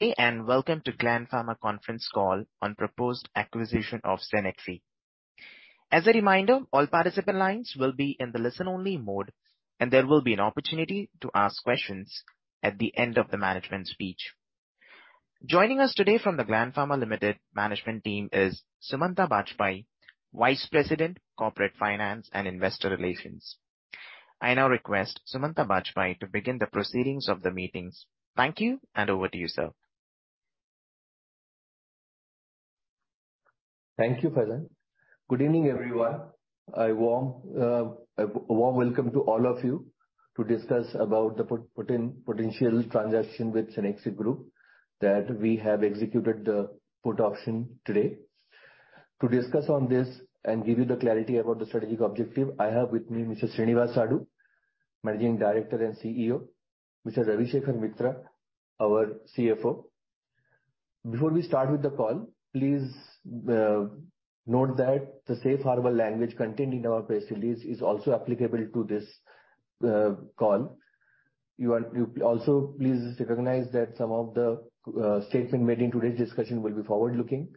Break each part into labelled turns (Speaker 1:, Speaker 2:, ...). Speaker 1: Hey, and welcome to Gland Pharma conference call on proposed acquisition of Cenexi. As a reminder, all participant lines will be in the listen-only mode, and there will be an opportunity to ask questions at the end of the management speech. Joining us today from the Gland Pharma Limited management team is Sumanta Bajpayee, Vice President, Corporate Finance and Investor Relations. I now request Sumanta Bajpayee to begin the proceedings of the meetings. Thank you, and over to you, sir.
Speaker 2: Thank you, Faisal. Good evening, everyone. A warm welcome to all of you to discuss about the potential transaction with Cenexi Group that we have executed the put option today. To discuss on this and give you the clarity about the strategic objective, I have with me Mr. Srinivas Sadu, Managing Director and CEO, Mr. Ravi Shekhar Mitra, our CFO. Before we start with the call, please note that the safe harbor language contained in our press release is also applicable to this call. You also please recognize that some of the statement made in today's discussion will be forward-looking,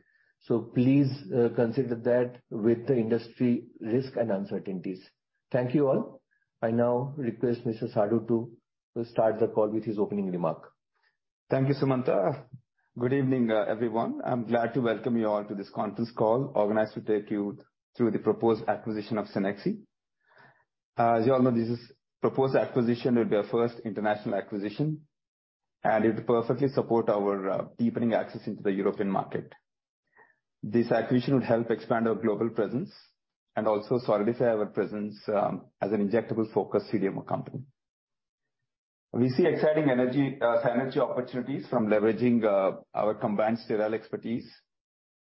Speaker 2: so please consider that with the industry risk and uncertainties. Thank you all. I now request Mr. Sadu to start the call with his opening remark.
Speaker 3: Thank you, Sumanta. Good evening, everyone. I'm glad to welcome you all to this conference call organized to take you through the proposed acquisition of Cenexi. As you all know, this is proposed acquisition will be our first international acquisition, and it will perfectly support our deepening access into the European market. This acquisition will help expand our global presence and also solidify our presence as an injectable-focused CDMO company. We see exciting energy, synergy opportunities from leveraging our combined sterile expertise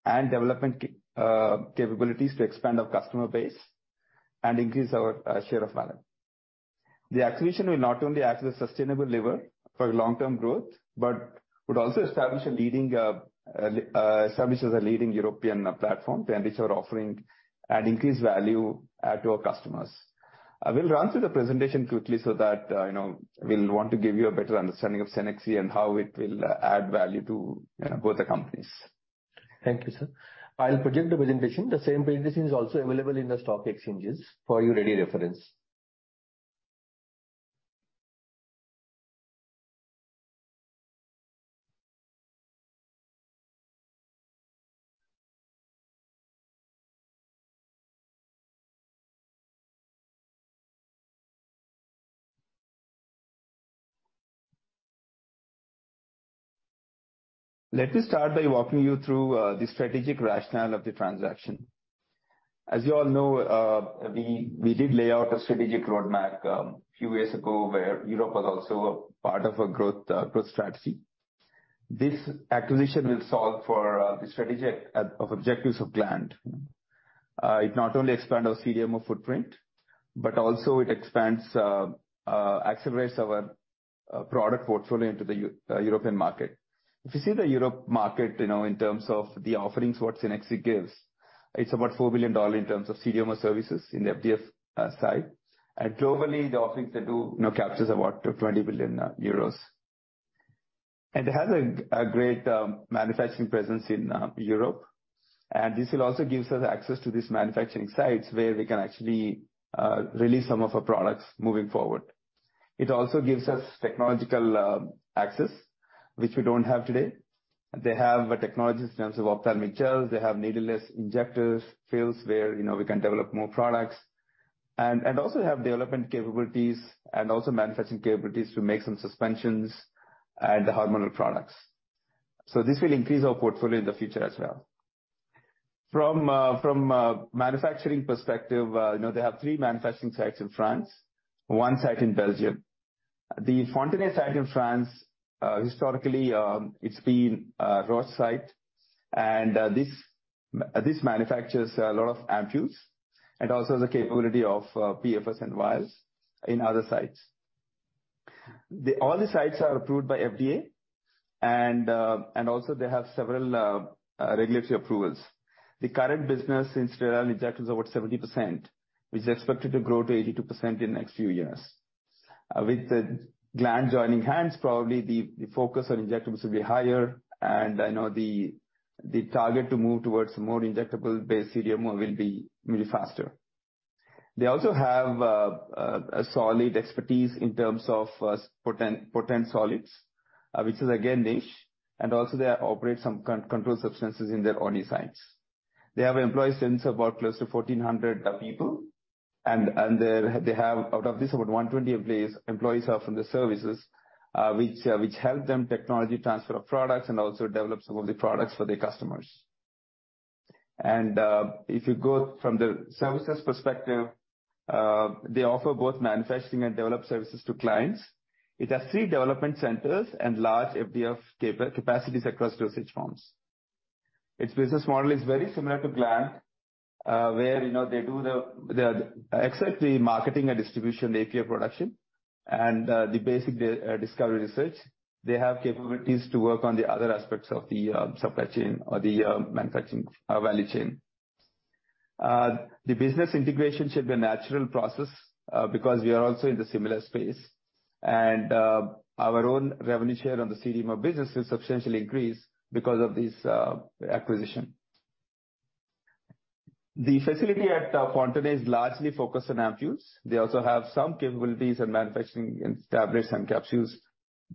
Speaker 3: and development capabilities to expand our customer base and increase our share of wallet. The acquisition will not only act as a sustainable lever for long-term growth, but would also establish as a leading European platform to enrich our offering and increase value, add to our customers. I will run through the presentation quickly so that, you know, we'll want to give you a better understanding of Cenexi and how it will add value to both the companies. Thank you, sir. I'll project the presentation. The same presentation is also available in the stock exchanges for your ready reference. Let me start by walking you through the strategic rationale of the transaction. As you all know, we did lay out a strategic roadmap a few years ago, where Europe was also a part of a growth strategy. This acquisition will solve for the strategic objectives of Gland. It not only expand our CDMO footprint, but also it expands, accelerates our product portfolio into the European market. If you see the Europe market, you know, in terms of the offerings, what Cenexi gives, it's about $4 billion in terms of CDMO services in the DMF site. Globally, the offerings they do, you know, captures about 20 billion euros. They have a great manufacturing presence in Europe. This will also gives us access to these manufacturing sites where we can actually release some of our products moving forward. It also gives us technological access, which we don't have today. They have a technology in terms of ophthalmic gel. They have needleless injectors, fields where, you know, we can develop more products. Also have development capabilities and also manufacturing capabilities to make some suspensions and hormonal products. This will increase our portfolio in the future as well. From a manufacturing perspective, you know, they have three manufacturing sites in France, one site in Belgium. The Fontenay site in France, historically, it's been a Roche site, and this manufactures a lot of ampules and also the capability of PFS and vials in other sites. All the sites are approved by FDA and also they have several regulatory approvals. The current business in sterile injections is over 70%, which is expected to grow to 82% in next few years. With the Gland joining hands, probably the focus on injectables will be higher, and I know the target to move towards more injectable-based CDMO will be maybe faster. They also have a solid expertise in terms of potent solids, which is again niche, and also they operate some controlled substances in their Osny sites. They have employees since about close to 1,400 people. They have out of this, about 120 employees are from the services, which help them technology transfer of products and also develop some of the products for their customers. If you go from the services perspective, they offer both manufacturing and develop services to clients. It has three development centers and large FDA capacities across dosage forms. Its business model is very similar to Gland, where, you know, they do the except the marketing and distribution, the API production and the basic discovery research. They have capabilities to work on the other aspects of the supply chain or the manufacturing value chain. The business integration should be a natural process because we are also in the similar space. Our own revenue share on the CDMO business will substantially increase because of this acquisition. The facility at Fontenay is largely focused on ampoules. They also have some capabilities in manufacturing, establish and capsules,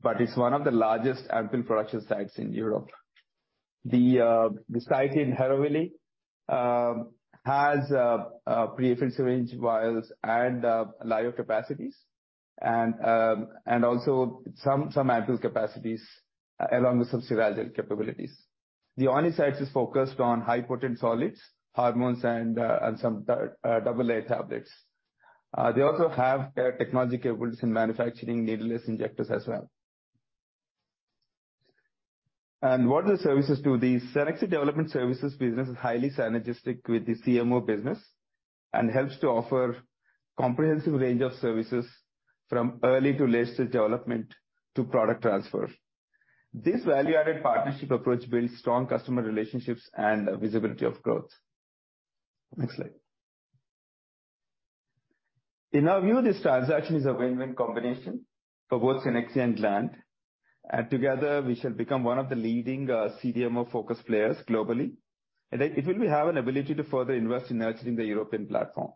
Speaker 3: but it's one of the largest ampoule production sites in Europe. The site in Hérouville has pre-filled syringe, vials and lyo capacities and also some ampoule capacities along with some sterile capabilities. The Aulnay-sous-Bois site is focused on high potent solids, hormones, and some double-layer tablets. They also have technology capabilities in manufacturing needleless injectors as well. What do the services do? The Cenexi development services business is highly synergistic with the CMO business and helps to offer comprehensive range of services from early to late-stage development to product transfer. This value-added partnership approach builds strong customer relationships and visibility of growth. Next slide. In our view, this transaction is a win-win combination for both Cenexi and Gland. Together we shall become one of the leading CDMO focused players globally. It will have an ability to further invest in nurturing the European platform.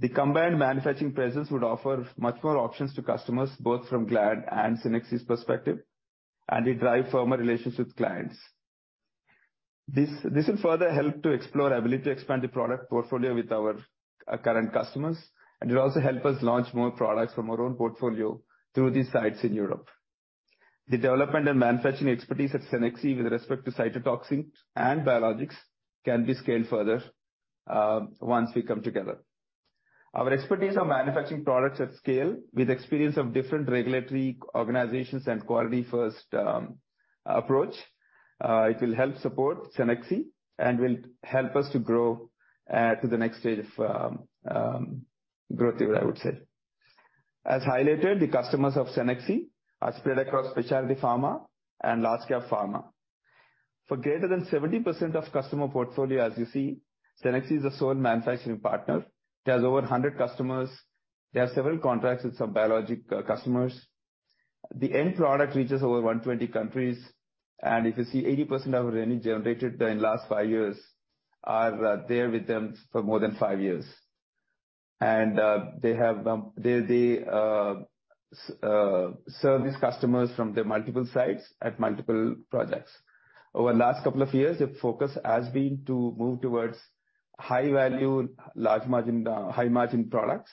Speaker 3: The combined manufacturing presence would offer much more options to customers, both from Gland and Cenexi's perspective, and it drive firmer relationships with clients. This will further help to explore ability to expand the product portfolio with our current customers. It'll also help us launch more products from our own portfolio through these sites in Europe. The development and manufacturing expertise at Cenexi with respect to cytotoxins and biologics can be scaled further once we come together. Our expertise on manufacturing products at scale with experience of different regulatory organizations and quality first approach, it will help support Cenexi and will help us to grow to the next stage of growth here, I would say. As highlighted, the customers of Cenexi are spread across specialty pharma and large cap pharma. For greater than 70% of customer portfolio as you see, Cenexi is the sole manufacturing partner. It has over 100 customers. They have several contracts with some biologic customers. The end product reaches over 120 countries. 80% of revenue generated in last five years are there with them for more than five years. They serve these customers from the multiple sites at multiple projects. Over last two years, the focus has been to move towards high value, large margin, high margin products.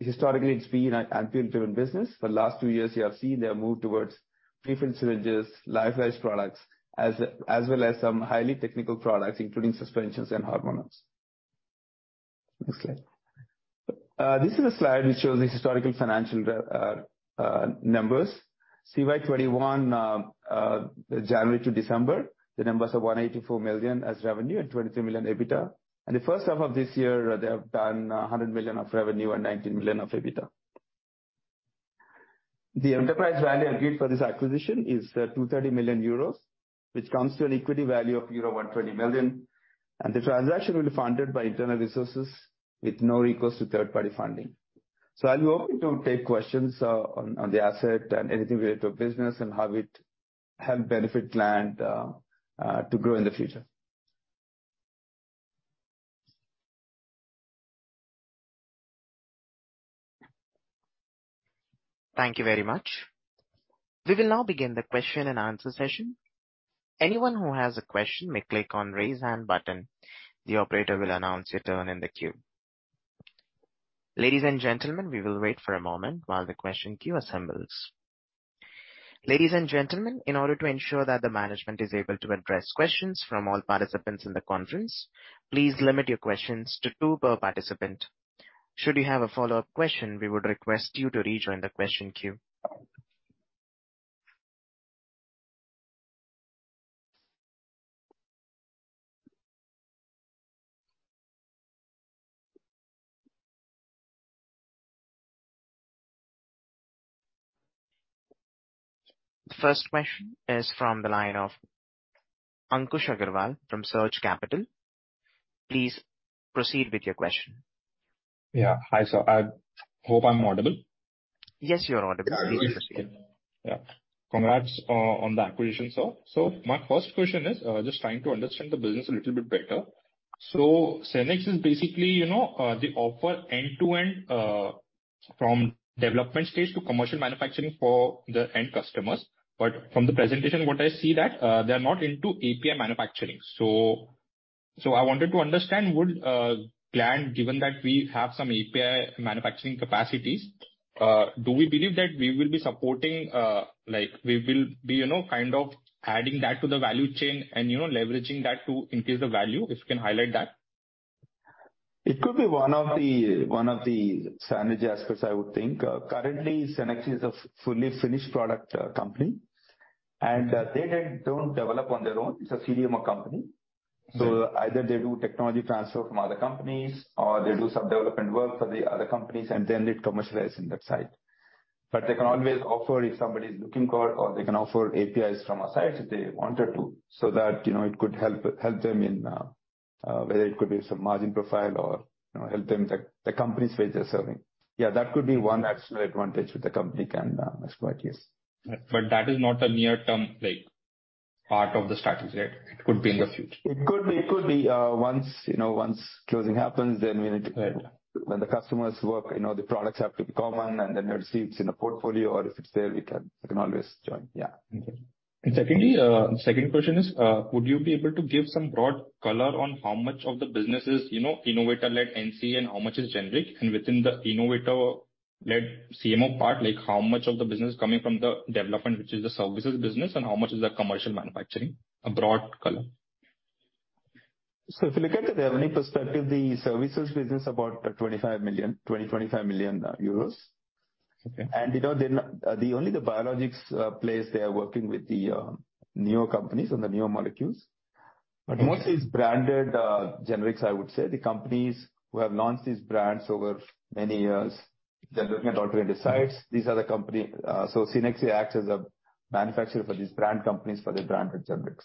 Speaker 3: Historically, it's been a ampoule-driven business. For the last two years, you have seen their move towards pre-filled syringes, lyophilized products, as well as some highly technical products, including suspensions and hormones. Next slide. This is a slide which shows the historical financial numbers. CY 2021, January to December, the numbers are 184 million as revenue and 23 million EBITDA. The first half of this year, they have done 100 million of revenue and 19 million of EBITDA. The enterprise value agreed for this acquisition is 230 million euros, which comes to an equity value of euro 120 million. The transaction will be funded by internal resources with no recourse to third party funding. I'll be open to take questions on the asset and anything related to business and how it help benefit Gland to grow in the future.
Speaker 1: Thank you very much. We will now begin the question and answer session. Anyone who has a question may click on raise hand button. The operator will announce your turn in the queue. Ladies and gentlemen, we will wait for a moment while the question queue assembles. Ladies and gentlemen, in order to ensure that the management is able to address questions from all participants in the conference, please limit your questions to two per participant. Should you have a follow-up question, we would request you to rejoin the question queue. The first question is from the line of Ankush Agrawal from Surge Capital. Please proceed with your question.
Speaker 4: Yeah. Hi, sir. I hope I'm audible.
Speaker 1: Yes, you're audible. Please proceed.
Speaker 4: Yeah. Congrats on the acquisition, sir. My first question is, just trying to understand the business a little bit better. Cenexi is basically, you know, they offer end-to-end from development stage to commercial manufacturing for the end customers. From the presentation, what I see that, they are not into API manufacturing. I wanted to understand would Gland, given that we have some API manufacturing capacities, do we believe that we will be supporting, like we will be, you know, kind of adding that to the value chain and, you know, leveraging that to increase the value? If you can highlight that.
Speaker 3: It could be one of the synergy aspects, I would think. currently, Cenexi is a fully finished product, company, and, they don't develop on their own. It's a CDMO company.
Speaker 4: Okay.
Speaker 3: Either they do technology transfer from other companies or they do some development work for the other companies and then they commercialize in that site. They can always offer if somebody is looking for, or they can offer APIs from our sites if they wanted to, so that, you know, it could help them in whether it could be some margin profile or, you know, help them the companies which they're serving. That could be one absolute advantage with the company can acquire, yes.
Speaker 4: That is not a near-term, like, part of the strategy, right? It could be in the future.
Speaker 3: It could be, once, you know, once closing happens, then we need.
Speaker 4: Yeah.
Speaker 3: When the customers work, you know, the products have to be common, then once it's in a portfolio or if it's there, we can always join. Yeah.
Speaker 4: Okay. Secondly, second question is, would you be able to give some broad color on how much of the business is, you know, innovator-led NCE and how much is generic? Within the innovator-led CMO part, like how much of the business coming from the development, which is the services business and how much is the commercial manufacturing? A broad color.
Speaker 3: If you look at the revenue perspective, the services business about 25 million, 20 million euros, 25 million.
Speaker 4: Okay.
Speaker 3: you know, The only the biologics place they are working with the novel companies on the novel molecules.
Speaker 4: Okay.
Speaker 3: Most is branded, generics, I would say. The companies who have launched these brands over many years. Development or 200 sites. These are the company, so Cenexi acts as a manufacturer for these brand companies for their branded generics.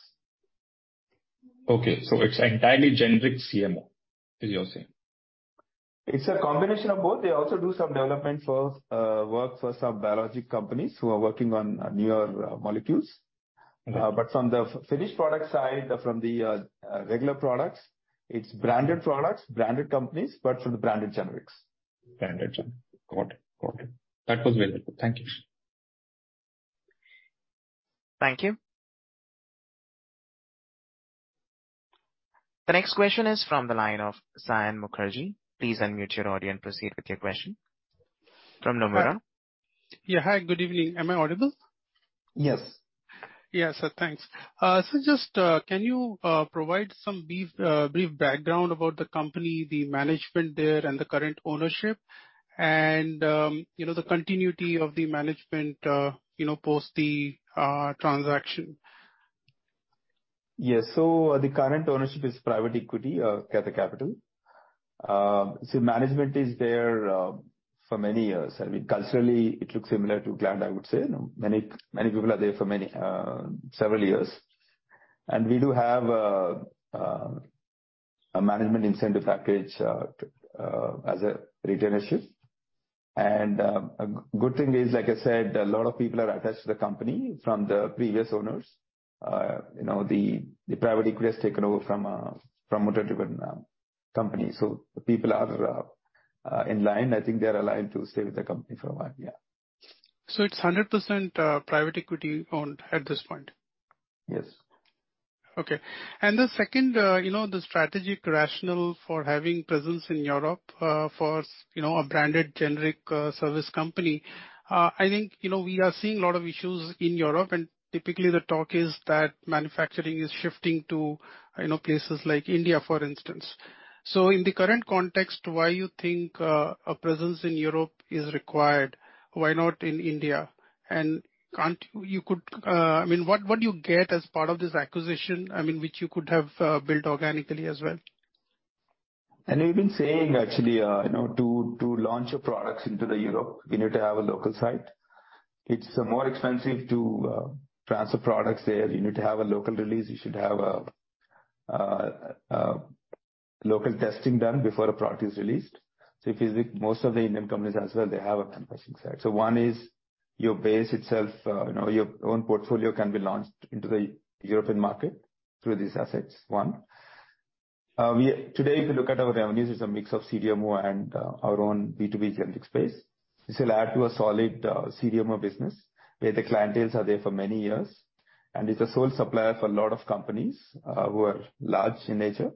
Speaker 4: Okay. it's entirely generic CMO, is your saying?
Speaker 3: It's a combination of both. They also do some development for work for some biologics companies who are working on newer molecules.
Speaker 4: Okay.
Speaker 3: From the finished product side, from the regular products, it's branded products, branded companies, but for the branded generics.
Speaker 4: Branded generic. Got it. Got it. That was very helpful. Thank you.
Speaker 1: Thank you. The next question is from the line of Saion Mukherjee. Please unmute your audio and proceed with your question. From Nomura.
Speaker 5: Yeah. Hi, good evening. Am I audible?
Speaker 1: Yes.
Speaker 5: Yeah. Thanks. Just, can you provide some brief background about the company, the management there and the current ownership and, you know, the continuity of the management, you know, post the transaction?
Speaker 3: Yes. The current ownership is private equity, Cathay Capital. Management is there for many years. I mean, culturally, it looks similar to Gland, I would say. You know, many people are there for many several years. We do have a management incentive package as a retention. A good thing is, like I said, a lot of people are attached to the company from the previous owners. You know, the private equity has taken over from a motor-driven company. The people are in line. I think they are aligned to stay with the company for a while. Yeah.
Speaker 5: It's 100% private equity owned at this point?
Speaker 3: Yes.
Speaker 5: Okay. The second, you know, the strategic rationale for having presence in Europe, for you know, a branded generic, service company. I think, you know, we are seeing a lot of issues in Europe, and typically the talk is that manufacturing is shifting to, you know, places like India, for instance. In the current context, why you think a presence in Europe is required? Why not in India? You could... I mean, what do you get as part of this acquisition, I mean, which you could have built organically as well?
Speaker 3: We've been saying actually, you know, to launch your products into the Europe, you need to have a local site. It's more expensive to transfer products there. You need to have a local release. You should have a local testing done before a product is released. If you see most of the Indian companies as well, they have a manufacturing site. One is your base itself, you know, your own portfolio can be launched into the European market through these assets. One. Today, if you look at our revenues, it's a mix of CDMO and our own B2B generic space. This will add to a solid CDMO business, where the clienteles are there for many years. It's a sole supplier for a lot of companies, who are large in nature.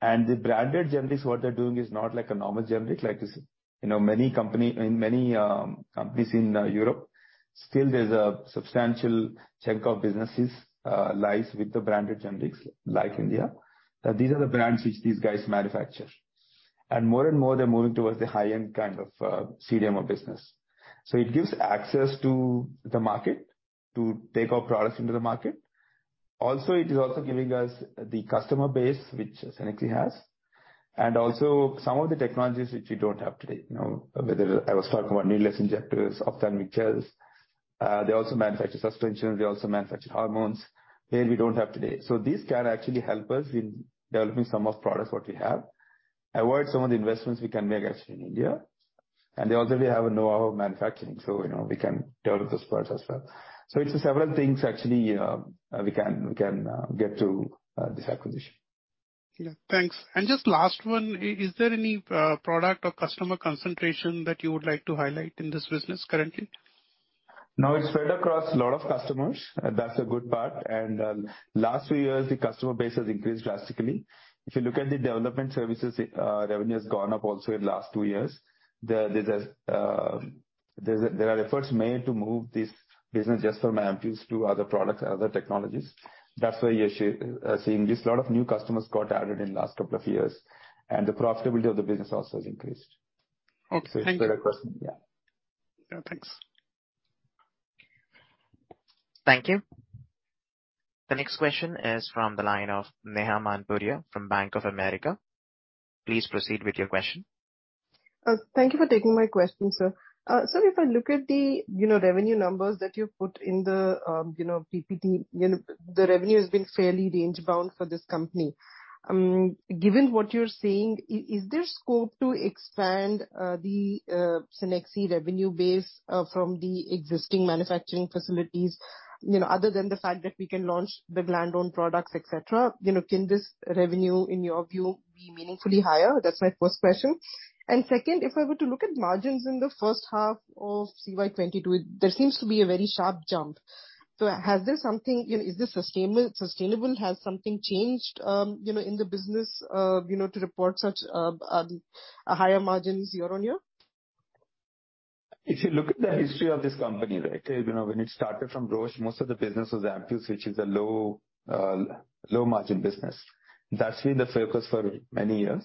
Speaker 3: The branded generics, what they're doing is not like a normal generic like this. You know, many companies in Europe, still there's a substantial chunk of businesses lies with the branded generics like India. These are the brands which these guys manufacture. More and more they're moving towards the high-end kind of CDMO business. It gives access to the market to take our products into the market. Also, it is also giving us the customer base, which Cenexi has, and also some of the technologies which we don't have today. You know, whether I was talking about needleless injectors, ophthalmic mixtures. They also manufacture suspensions, they also manufacture hormones. There we don't have today. These can actually help us in developing some of products what we have. Avoid some of the investments we can make actually in India. They already have a knowhow of manufacturing, so, you know, we can develop those products as well. It's several things actually we can get to this acquisition.
Speaker 5: Yeah. Thanks. Just last one. Is there any product or customer concentration that you would like to highlight in this business currently?
Speaker 3: No, it's spread across a lot of customers. That's a good part. Last few years, the customer base has increased drastically. If you look at the development services, revenue has gone up also in last two years. There's a, there are efforts made to move this business just from ampoules to other products and other technologies. That's why you're seeing this lot of new customers got added in last couple of years. The profitability of the business also has increased.
Speaker 5: Okay. Thank you.
Speaker 3: It's better question. Yeah.
Speaker 5: Yeah, thanks.
Speaker 1: Thank you. The next question is from the line of Neha Manpuria from Bank of America. Please proceed with your question.
Speaker 6: Thank you for taking my question, sir. Sir, if I look at the, you know, revenue numbers that you've put in the, you know, PPT, you know, the revenue has been fairly range-bound for this company. Given what you're saying, is there scope to expand the Cenexi revenue base from the existing manufacturing facilities, you know, other than the fact that we can launch the Gland own products, et cetera, you know, can this revenue, in your view, be meaningfully higher? That's my first question. Second, if I were to look at margins in the first half of CY 2022, there seems to be a very sharp jump. You know, is this sustainable? Has something changed, you know, in the business, you know, to report such higher margins year-on-year?
Speaker 3: If you look at the history of this company, right, you know, when it started from Roche, most of the business was ampoules, which is a low, low margin business. That's been the focus for many years.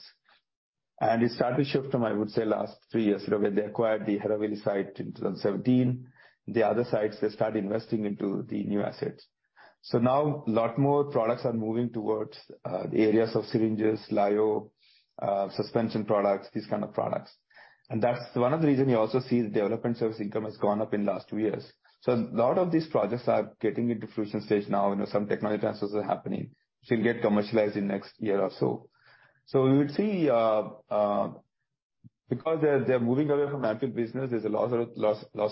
Speaker 3: It started to shift from, I would say, last three years, you know, when they acquired the Hérouville-Saint-Clair site in 2017. The other sites, they started investing into the new assets. Now a lot more products are moving towards the areas of syringes, Lyo, suspension products, these kind of products. That's one of the reason you also see the development service income has gone up in last two years. A lot of these projects are getting into fruition stage now. You know, some technology transfers are happening, which will get commercialized in next year or so. We would see because they're moving away from ampoule business, there's a loss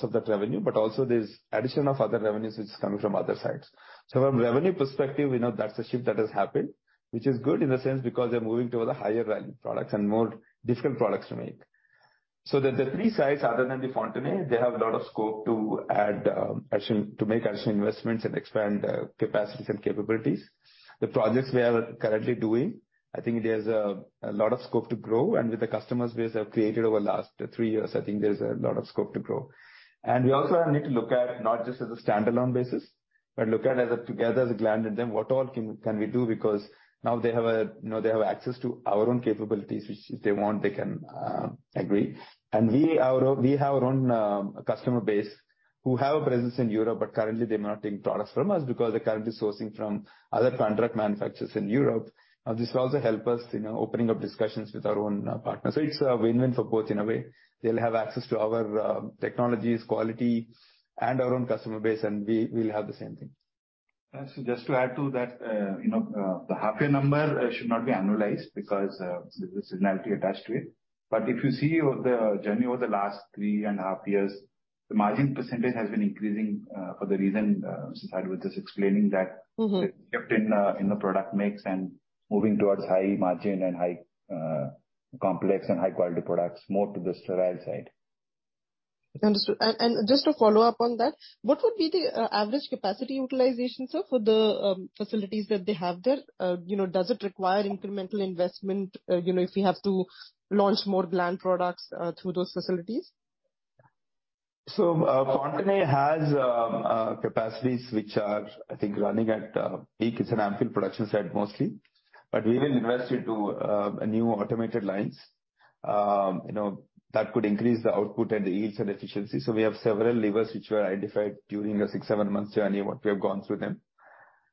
Speaker 3: of that revenue, but also there's addition of other revenues which is coming from other sites. From revenue perspective, we know that's a shift that has happened, which is good in a sense because they're moving towards the higher value products and more different products to make. The three sites other than the Fontenay, they have a lot of scope to make addition investments and expand capacities and capabilities. The projects we are currently doing, I think there's a lot of scope to grow. With the customers base we have created over last three years, I think there's a lot of scope to grow. We also need to look at not just as a standalone basis, but look at as a together as a Gland, then what all can we do because now they have. You know, they have access to our own capabilities, which if they want, they can agree. We have our own customer base who have a presence in Europe, but currently they're not taking products from us because they're currently sourcing from other contract manufacturers in Europe. This will also help us, you know, opening up discussions with our own partners. It's a win-win for both in a way. They'll have access to our technologies, quality and our own customer base, and we'll have the same thing.
Speaker 7: Just to add to that, you know, the half year number should not be annualized because there's a seasonality attached to it. If you see over the journey over the last three-and-a-half years, the margin percentage has been increasing for the reason Srinivas was just explaining.
Speaker 6: Mm-hmm.
Speaker 7: That shift in the product mix and moving towards high margin and high, complex and high quality products, more to the sterile side.
Speaker 6: Understood. Just to follow up on that, what would be the average capacity utilization, sir, for the facilities that they have there? You know, does it require incremental investment, you know, if we have to launch more Gland products through those facilities?
Speaker 3: Fontenay has capacities which are, I think, running at peak. It's an ampoule production site mostly. We will invest into new automated lines. You know, that could increase the output and the yields and efficiency. We have several levers which were identified during the six, seven months journey what we have gone through them.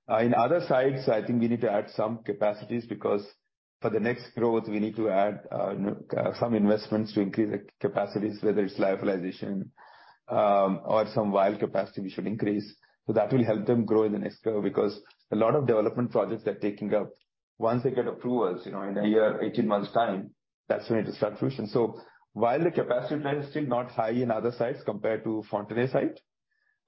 Speaker 3: In other sites, I think we need to add some capacities because for the next growth we need to add, you know, some investments to increase the capacities, whether it's lyophilization, or some vial capacity we should increase. That will help them grow in the next curve because a lot of development projects they're taking up, once they get approvals, you know, in a year, 18 months' time, that's when it will start fruition. While the capacity plan is still not high in other sites compared to Fontenay site,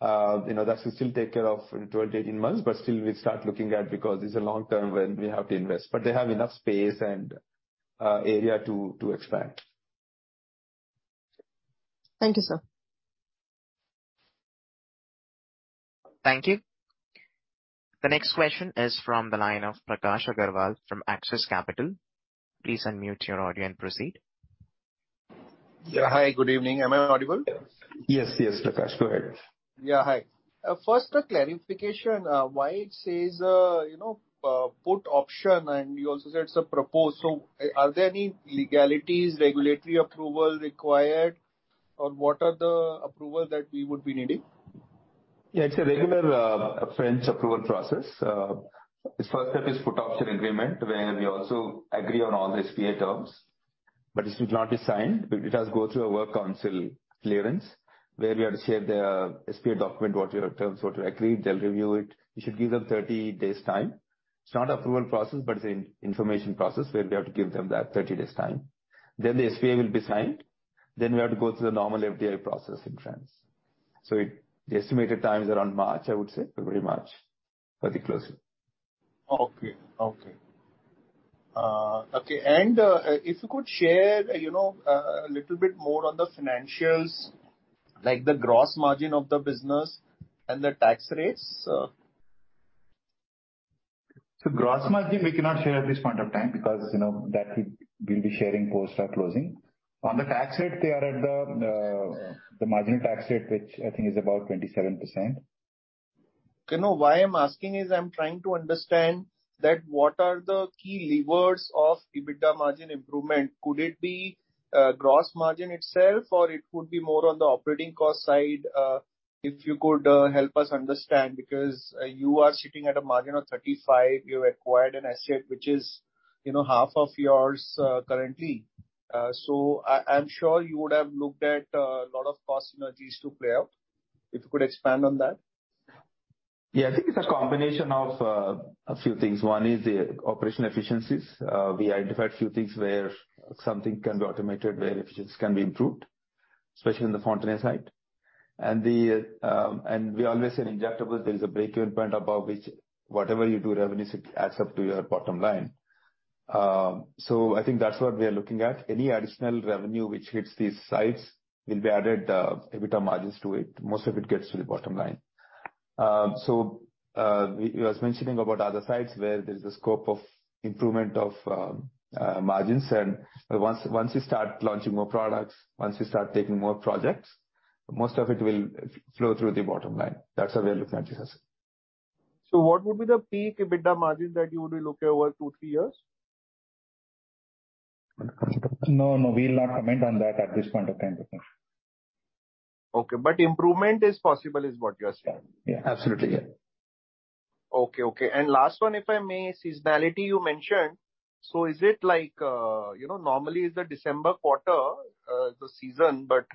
Speaker 3: you know, that will still take care of 12 to 18 months. Still we start looking at because it's a long term when we have to invest. They have enough space and area to expand.
Speaker 6: Thank you, sir.
Speaker 1: Thank you. The next question is from the line of Prakash Agarwal from Axis Capital. Please unmute your audio and proceed.
Speaker 8: Yeah. Hi, good evening. Am I audible?
Speaker 3: Yes. Yes, yes, Prakash, go ahead.
Speaker 8: Yeah. Hi. First a clarification, why it says, you know, put option and you also said it's a proposed. Are there any legalities, regulatory approval required, or what are the approval that we would be needing?
Speaker 3: Yeah, it's a regular French approval process. Its first step is put option agreement where we also agree on all the SPA terms, but it is not assigned. It has go through a works council clearance where we have to share the SPA document, what are terms, what we agreed, they'll review it. We should give them 30 days time. It's not approval process, but it's an information process where we have to give them that 30 days time. The SPA will be signed. We have to go through the normal FDA process in France. The estimated time is around March, I would say, February, March. Pretty close.
Speaker 8: Okay. If you could share, you know, a little bit more on the financials, like the gross margin of the business and the tax rates.
Speaker 3: Gross margin we cannot share at this point of time because, you know, that we'll be sharing post our closing. On the tax rate, they are at the marginal tax rate which I think is about 27%.
Speaker 8: You know, why I'm asking is I'm trying to understand what are the key levers of EBITDA margin improvement? Could it be gross margin itself or it could be more on the operating cost side? If you could help us understand, because you are sitting at a margin of 35%, you acquired an asset which is, you know, half of yours, currently. I'm sure you would have looked at a lot of cost synergies to play out. If you could expand on that?
Speaker 3: Yeah. I think it's a combination of a few things. One is the operational efficiencies. We identified a few things where something can be automated, where efficiencies can be improved, especially on the Fontenay-sous-Bois site. We always say in injectable, there is a break-even point above which whatever you do, revenues adds up to your bottom line. I think that's what we are looking at. Any additional revenue which hits these sites will be added EBITDA margins to it. Most of it gets to the bottom line. You was mentioning about other sites where there's a scope of improvement of margins. Once we start launching more products, once we start taking more projects, most of it will flow through the bottom line. That's how we are looking at this asset.
Speaker 8: What would be the peak EBITDA margin that you would be looking over two, three years?
Speaker 7: No, no, we will not comment on that at this point of time.
Speaker 8: Okay. Improvement is possible is what you're saying.
Speaker 3: Yeah. Absolutely, yeah.
Speaker 8: Okay. Last one, if I may. Seasonality you mentioned. Is it like, you know, normally is the December quarter, the season, but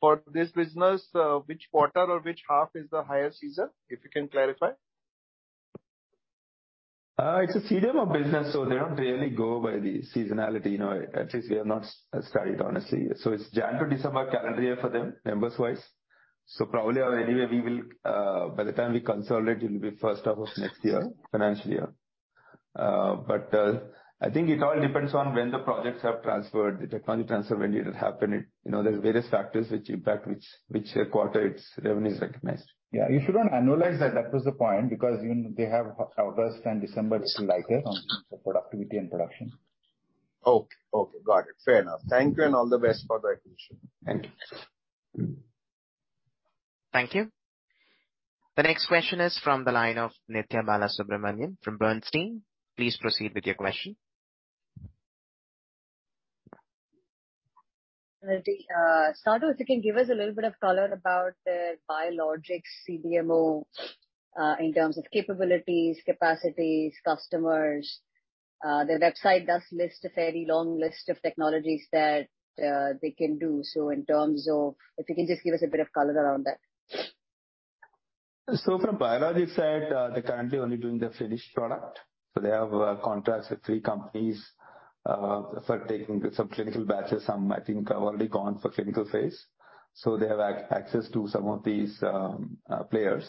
Speaker 8: for this business, which quarter or which half is the higher season, if you can clarify?
Speaker 3: It's a CDMO business, so they don't really go by the seasonality. You know, at least we have not studied, honestly. It's Jan to December calendar year for them, members-wise. Probably or anyway we will, by the time we consolidate, it will be first half of next year, financial year. But, I think it all depends on when the projects are transferred, the technology transfer, when did it happen. You know, there's various factors which impact which quarter its revenue is recognized.
Speaker 7: Yeah. You shouldn't annualize that. That was the point. Even they have August and December is lighter on terms of productivity and production.
Speaker 8: Okay. Got it. Fair enough. Thank you and all the best for the acquisition.
Speaker 3: Thank you.
Speaker 1: Thank you. The next question is from the line of Nithya Balasubramanian from Bernstein. Please proceed with your question.
Speaker 9: To start with, you can give us a little bit of color about the biologics CDMO, in terms of capabilities, capacities, customers. Their website does list a fairly long list of technologies that they can do. In terms of if you can just give us a bit of color around that.
Speaker 3: From biologics side, they're currently only doing the finished product. They have contracts with three companies for taking some clinical batches. Some I think have already gone for clinical phase. They have access to some of these players.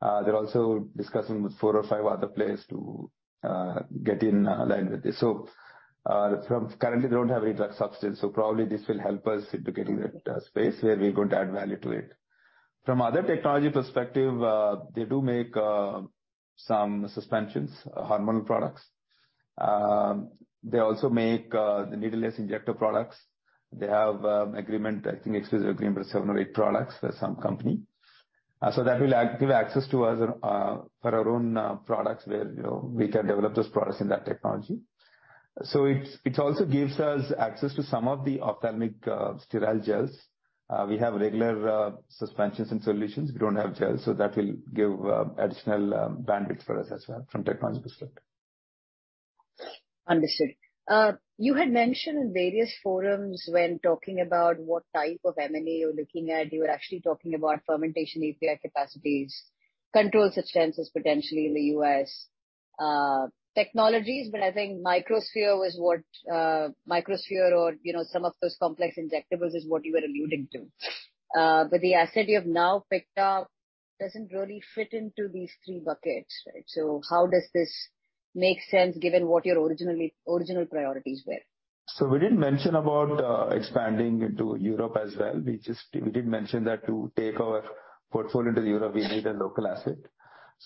Speaker 3: They're also discussing with four or five other players to get in line with this. From currently they don't have any drug substance, so probably this will help us into getting that space where we're going to add value to it. From other technology perspective, they do make some suspensions, hormonal products. They also make the needleless injector products. They have agreement, I think exclusive agreement with seven or eight products with some company. That will give access to us for our own products where, you know, we can develop those products in that technology. It also gives us access to some of the ophthalmic sterile gels. We have regular suspensions and solutions. We don't have gels. That will give additional bandwidth for us as well from technology perspective.
Speaker 9: Understood. You had mentioned in various forums when talking about what type of M&A you're looking at, you were actually talking about fermentation API capacities, controlled substances potentially in the US, technologies. I think microsphere was what, or, you know, some of those complex injectables is what you were alluding to. The asset you have now picked up doesn't really fit into these three buckets, right? How does this make sense given what your original priorities were?
Speaker 3: We didn't mention about expanding into Europe as well. We did mention that to take our portfolio to Europe, we need a local asset,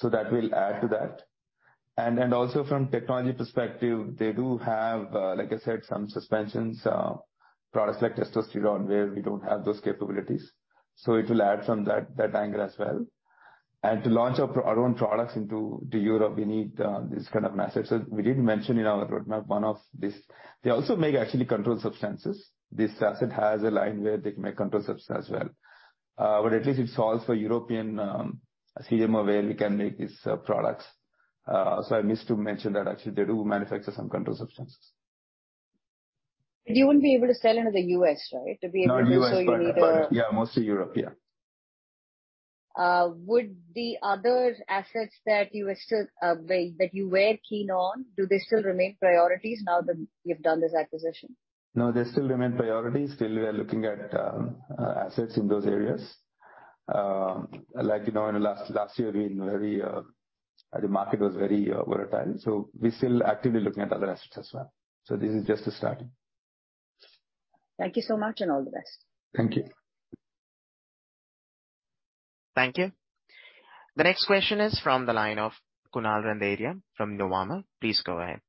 Speaker 3: that will add to that. Also from technology perspective, they do have, like I said, some suspensions, products like testosterone, where we don't have those capabilities, it will add from that angle as well. To launch our own products into Europe, we need these kind of assets. We did mention in our roadmap one of this. They also make actually controlled substances. This asset has a line where they can make controlled substance as well. At least it solves for European CDMO, where we can make these products. I missed to mention that actually they do manufacture some controlled substances.
Speaker 9: You wouldn't be able to sell into the U.S., right? To be able to-
Speaker 3: Not U.S.
Speaker 9: Do so you need a-
Speaker 3: Yeah, mostly Europe. Yeah.
Speaker 9: Would the other assets that you were still keen on, do they still remain priorities now that you've done this acquisition?
Speaker 3: They still remain priorities. We are looking at assets in those areas. Like, you know, in the last year we were very, the market was very volatile, so we're still actively looking at other assets as well. This is just a starting.
Speaker 9: Thank you so much and all the best.
Speaker 3: Thank you.
Speaker 1: Thank you. The next question is from the line of Kunal Randeria from Nuvama. Please go ahead.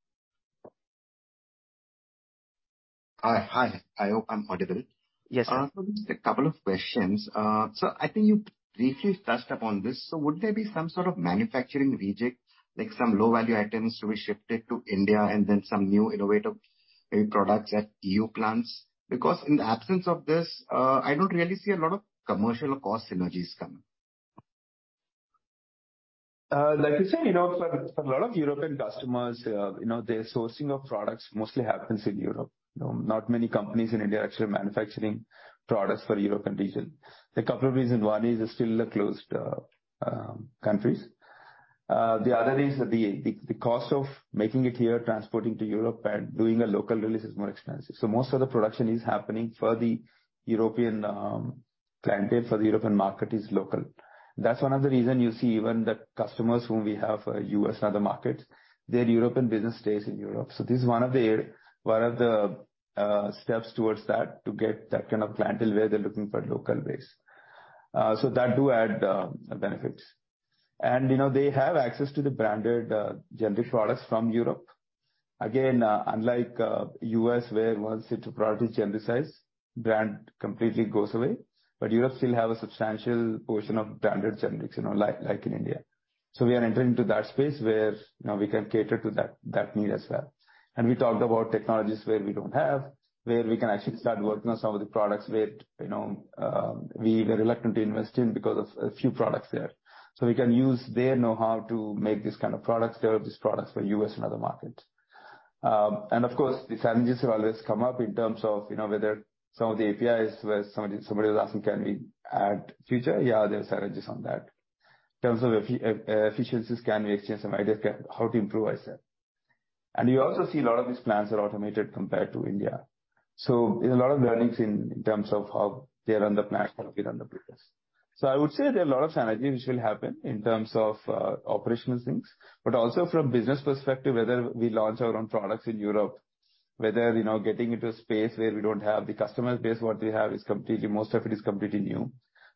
Speaker 10: Hi. Hi. I hope I'm audible.
Speaker 3: Yes, sir.
Speaker 10: Just a couple of questions. I think you briefly touched upon this. Would there be some sort of manufacturing reject, like some low-value items to be shifted to India and then some new innovative products at EU plants? In the absence of this, I don't really see a lot of commercial or cost synergies coming.
Speaker 3: Like you said, you know, for a lot of European customers, you know, their sourcing of products mostly happens in Europe. You know, not many companies in India are actually manufacturing products for European region. There are a couple of reasons. One is they're still a closed countries. The other is the cost of making it here, transporting to Europe and doing a local release is more expensive. Most of the production is happening for the European clientele, for the European market is local. That's one of the reason you see even the customers whom we have, U.S. and other markets, their European business stays in Europe. This is one of the one of the steps towards that, to get that kind of clientele where they're looking for local base. That do add benefits. You know, they have access to the branded, generic products from Europe. Again, unlike U.S., where once the product is genericized, brand completely goes away, but Europe still have a substantial portion of branded generics, you know, like in India. We are entering into that space where, you know, we can cater to that need as well. We talked about technologies where we don't have, where we can actually start working on some of the products where, you know, we were reluctant to invest in because of a few products there. We can use their know-how to make these kind of products there, these products for U.S. and other markets. Of course, the synergies will always come up in terms of, you know, whether some of the APIs where somebody was asking, can we add future? Yeah, there are synergies on that. In terms of efficiencies, how to improve, I said. You also see a lot of these plants are automated compared to India, there's a lot of learnings in terms of how they run the plant, how we run the business. I would say there are a lot of synergies which will happen in terms of operational things, but also from business perspective, whether we launch our own products in Europe, whether, you know, getting into a space where we don't have the customer base, most of it is completely new,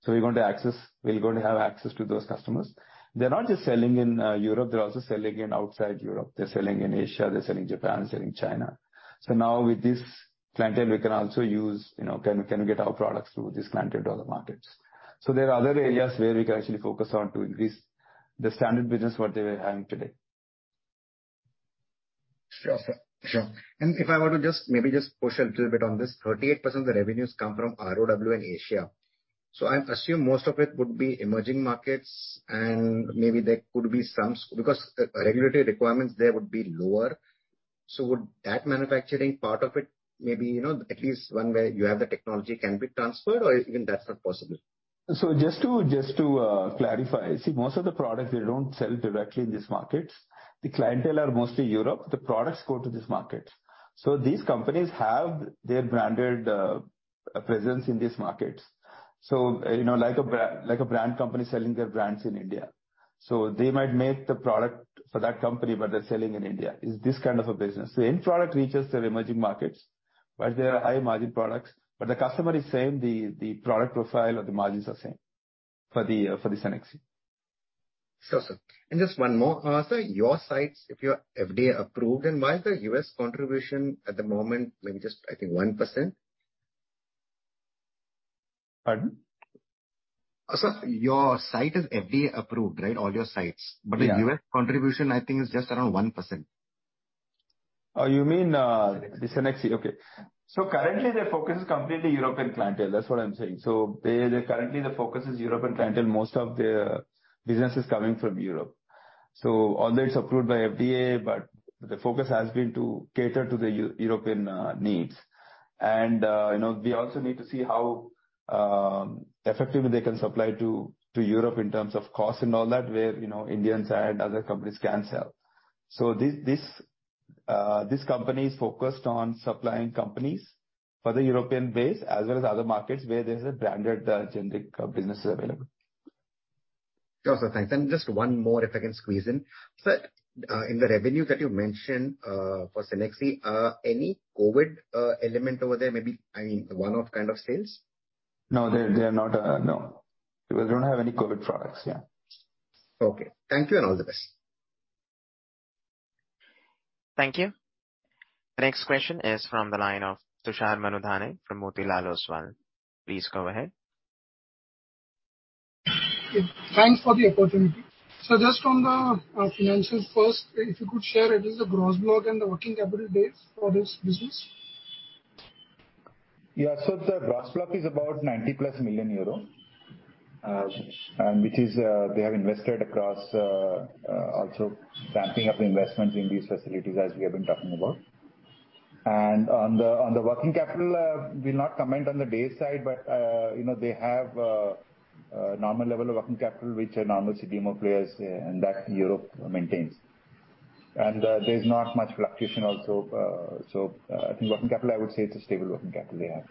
Speaker 3: we're going to have access to those customers. They're not just selling in Europe, they're also selling in outside Europe. They're selling in Asia, they're selling Japan, selling China. Now with this clientele, we can also use, you know, can we get our products to this clientele to other markets. There are other areas where we can actually focus on to increase the standard business, what they were having today.
Speaker 10: Sure, sir. Sure. If I were to just maybe just push a little bit on this. 38% of the revenues come from ROW and Asia, so I assume most of it would be emerging markets and maybe there could be some... because regulatory requirements there would be lower. Would that manufacturing part of it maybe, you know, at least one where you have the technology can be transferred or even that's not possible?
Speaker 3: Just to clarify. See, most of the products they don't sell directly in these markets. The clientele are mostly Europe. The products go to these markets. These companies have their branded presence in these markets. You know, like a brand company selling their brands in India. They might make the product for that company, but they're selling in India. It's this kind of a business. The end product reaches their emerging markets, but they are high-margin products. The customer is same, the product profile or the margins are same for the Cenexi.
Speaker 10: Sure, sir. Just one more. Sir, your sites, if you're FDA-approved, and why is the U.S. contribution at the moment maybe just, I think, 1%?
Speaker 3: Pardon?
Speaker 10: sir, your site is FDA-approved, right? All your sites.
Speaker 3: Yeah.
Speaker 10: The US contribution, I think, is just around 1%.
Speaker 3: You mean the Cenexi? Okay. Currently their focus is completely European clientele, that's what I'm saying. currently their focus is European clientele. Most of their business is coming from Europe. Although it's approved by FDA, but the focus has been to cater to the European needs. you know, we also need to see how effectively they can supply to Europe in terms of cost and all that, where, you know, Indians and other companies can sell. this company is focused on supplying companies for the European base as well as other markets where there's a branded generic businesses available.
Speaker 10: Sure, sir. Thanks. Just one more, if I can squeeze in. Sir, in the revenue that you mentioned, for Cenexi, any COVID element over there may be, I mean, one-off kind of sales?
Speaker 3: No, they are not, no. We don't have any COVID products. Yeah.
Speaker 10: Okay. Thank you and all the best.
Speaker 3: Thank you. The next question is from the line of Tushar Manudhane from Motilal Oswal. Please go ahead.
Speaker 11: Thanks for the opportunity. Just on the financials first, if you could share, what is the gross block and the working capital days for this business?
Speaker 3: Yeah. The gross block is about 90-plus million euro.
Speaker 11: Okay.
Speaker 3: Which is, they have invested across, also ramping up the investments in these facilities as we have been talking about. On the, on the working capital, we'll not comment on the day side, but, you know, they have normal level of working capital, which a normal CDMO players, and that Europe maintains. There's not much fluctuation also. I think working capital, I would say it's a stable working capital they have.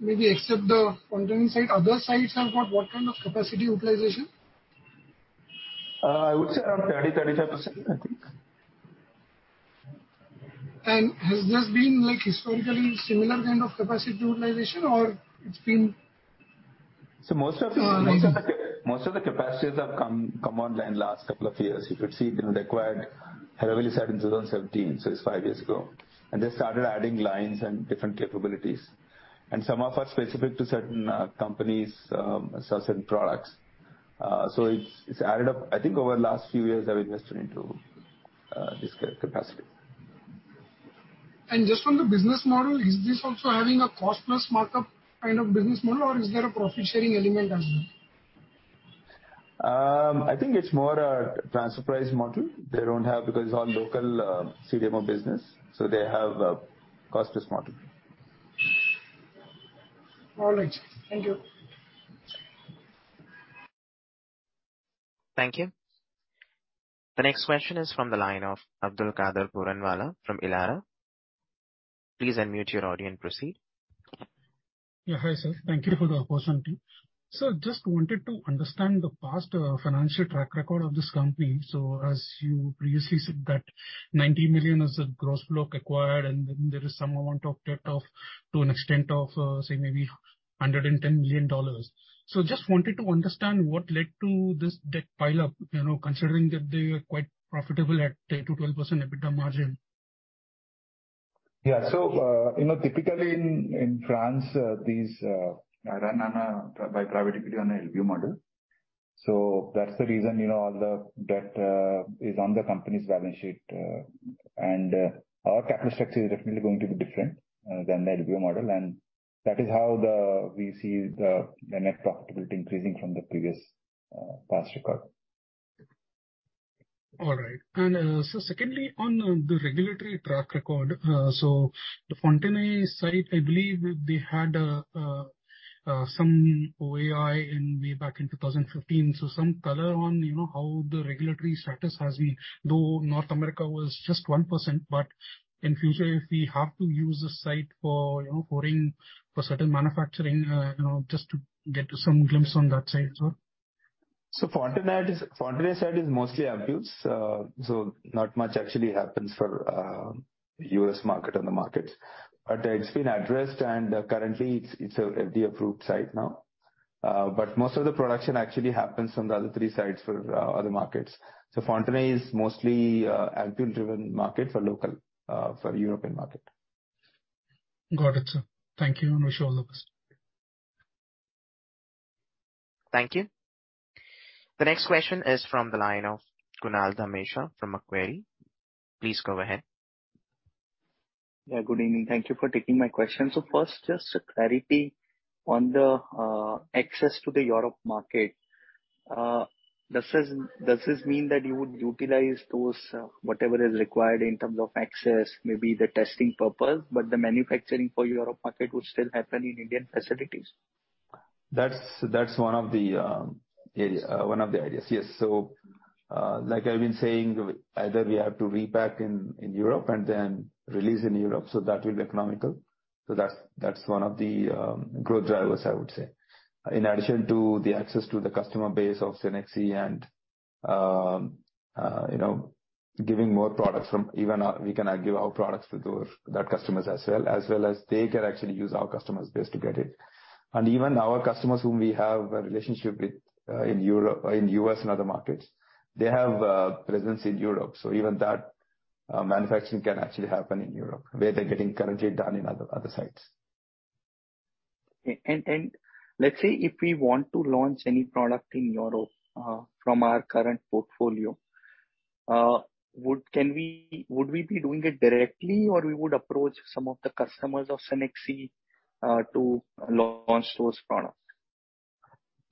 Speaker 11: Maybe except the containment site, other sites have got what kind of capacity utilization?
Speaker 3: I would say around 30%-35%, I think.
Speaker 11: has this been, like, historically similar kind of capacity utilization or it's been-?
Speaker 3: Most of the capacities have come online last couple of years. You could see they were acquired, I believe it was in 17. It's five years ago. They started adding lines and different capabilities. Some of are specific to certain companies, certain products. It's added up. I think over the last few years they've invested into this capacity.
Speaker 11: Just from the business model, is this also having a cost-plus markup kind of business model or is there a profit-sharing element as well?
Speaker 3: I think it's more a transfer price model. They don't have because it's all local CDMO business, so they have a cost-plus model.
Speaker 11: All right. Thank you.
Speaker 1: Thank you. The next question is from the line of Abdulkader Puranwala from Elara. Please unmute your audio and proceed.
Speaker 12: Yeah. Hi, sir. Thank you for the opportunity. Sir, just wanted to understand the past financial track record of this company. As you previously said that 90 million is the gross block acquired, and then there is some amount of debt of to an extent of, say maybe $110 million. Just wanted to understand what led to this debt pile up. You know, considering that they are quite profitable at 10%-12% EBITDA margin.
Speaker 3: Yeah. You know, typically in France, these are run on a, by privately on a LBO model. That's the reason, you know, all the debt is on the company's balance sheet. Our capital structure is definitely going to be different than the LBO model. That is how we see the net profitability increasing from the previous past record.
Speaker 12: All right. Secondly, on the regulatory track record. The Fontenay site, I believe they had some OAI in way back in 2015. Some color on, you know, how the regulatory status has been. North America was just 1%, but in future, if we have to use this site for, you know, for certain manufacturing, you know, just to get some glimpse on that side, sir.
Speaker 3: Fontenay site is mostly abuse. Not much actually happens for U.S. market and the markets. It's been addressed and currently it's a FDA approved site now. Most of the production actually happens from the other three sites for other markets. Fontenay is mostly albumin driven market for local for European market.
Speaker 12: Got it, sir. Thank you. Wish you all the best.
Speaker 1: Thank you. The next question is from the line of Kunal Dhamesha from Macquarie. Please go ahead.
Speaker 13: Good evening. Thank you for taking my question. First, just a clarity on the access to the Europe market. Does this mean that you would utilize those, whatever is required in terms of access, maybe the testing purpose, but the manufacturing for Europe market would still happen in Indian facilities?
Speaker 3: That's one of the area, one of the ideas. Yes. Like I've been saying, either we have to repack in Europe and then release in Europe, so that will be economical. That's one of the growth drivers I would say. In addition to the access to the customer base of Cenexi and, you know, giving more products from even, we can give our products to those, that customers as well, as well as they can actually use our customers base to get it. Even our customers whom we have a relationship with, in Europe, in U.S. and other markets, they have presence in Europe. Even that, manufacturing can actually happen in Europe where they're getting currently done in other sites.
Speaker 13: Let's say if we want to launch any product in Europe, from our current portfolio, would we be doing it directly or we would approach some of the customers of Cenexi to launch those products?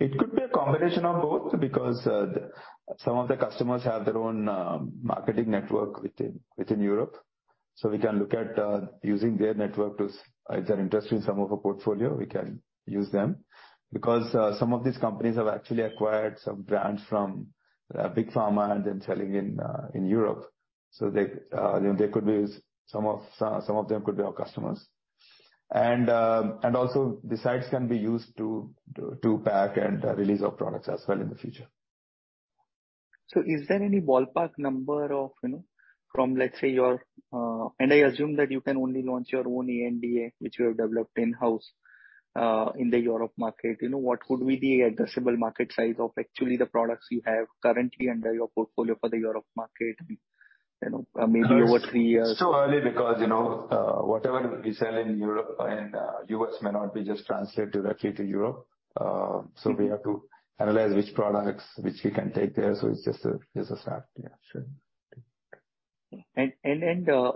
Speaker 3: It could be a combination of both because, the, some of the customers have their own marketing network within Europe. We can look at using their network. If they're interested in some of our portfolio, we can use them. Some of these companies have actually acquired some brands from big pharma and then selling in Europe. They, you know, they could be some of them could be our customers. And also the sites can be used to pack and release our products as well in the future.
Speaker 13: Is there any ballpark number of, you know, from, let's say, your, and I assume that you can only launch your own ANDA, which you have developed in-house, in the Europe market. You know, what could be the addressable market size of actually the products you have currently under your portfolio for the Europe market, you know, maybe over three years?
Speaker 3: It's too early because, you know, whatever we sell in Europe and U.S. may not be just translated directly to Europe. We have to analyze which products which we can take there. It's just a start. Yeah, sure.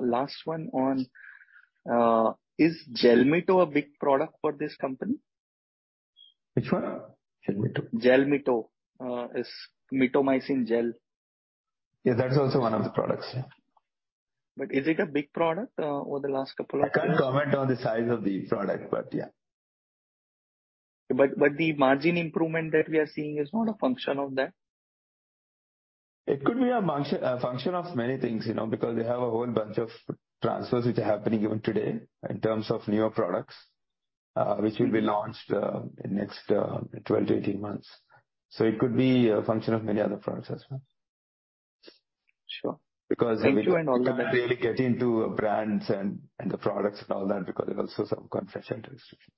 Speaker 13: Last one on, is Jelmyto a big product for this company?
Speaker 3: Which one? Jelmyto.
Speaker 13: Jelmyto. It's Mitomycin gel.
Speaker 3: Yeah, that is also one of the products. Yeah.
Speaker 13: Is it a big product over the last couple of years?
Speaker 3: I can't comment on the size of the product, but yeah.
Speaker 13: The margin improvement that we are seeing is not a function of that?
Speaker 3: It could be a function of many things, you know, because they have a whole bunch of transfers which are happening even today in terms of newer products, which will be launched in next 12 to 18 months. It could be a function of many other products as well.
Speaker 13: Sure.
Speaker 3: Because-
Speaker 13: Thank you and all the best.
Speaker 3: We cannot really get into brands and the products and all that because there are also some confidential restrictions.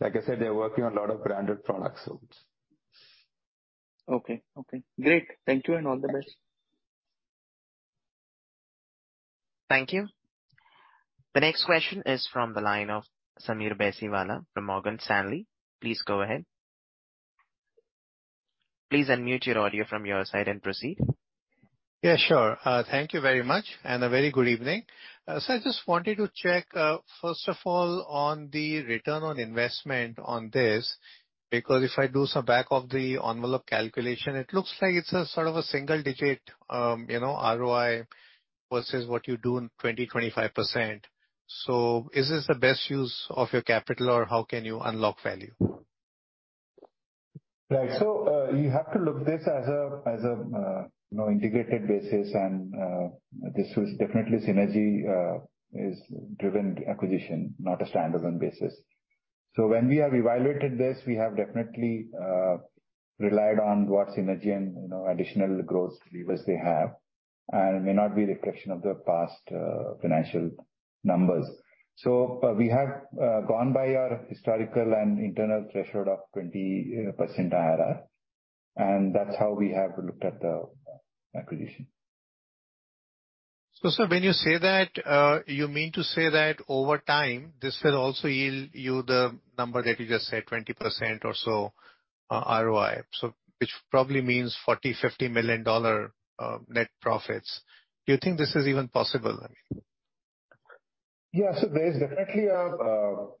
Speaker 3: Like I said, they're working on a lot of branded products, so.
Speaker 13: Okay. Okay. Great. Thank you and all the best.
Speaker 1: Thank you. The next question is from the line of Sameer Baisiwala from Morgan Stanley. Please go ahead. Please unmute your audio from your side and proceed.
Speaker 14: Yeah, sure. Thank you very much, and a very good evening. I just wanted to check, first of all on the return on investment on this, because if I do some back of the envelope calculation, it looks like it's a sort of a single-digit, you know, ROI versus what you do in 20-25%. Is this the best use of your capital, or how can you unlock value?
Speaker 3: Right. You have to look this as a, you know, integrated basis and, this is definitely synergy, is driven acquisition, not a standalone basis. When we have evaluated this we have definitely, relied on what synergy and, you know, additional growth levers they have, and may not be a reflection of their past, financial numbers. We have, gone by our historical and internal threshold of 20% IRR, and that's how we have looked at the acquisition.
Speaker 14: Sir, when you say that, you mean to say that over time, this will also yield you the number that you just said, 20% or so, ROI. Which probably means $40 million-$50 million net profits. Do you think this is even possible?
Speaker 3: Yeah. there is definitely a,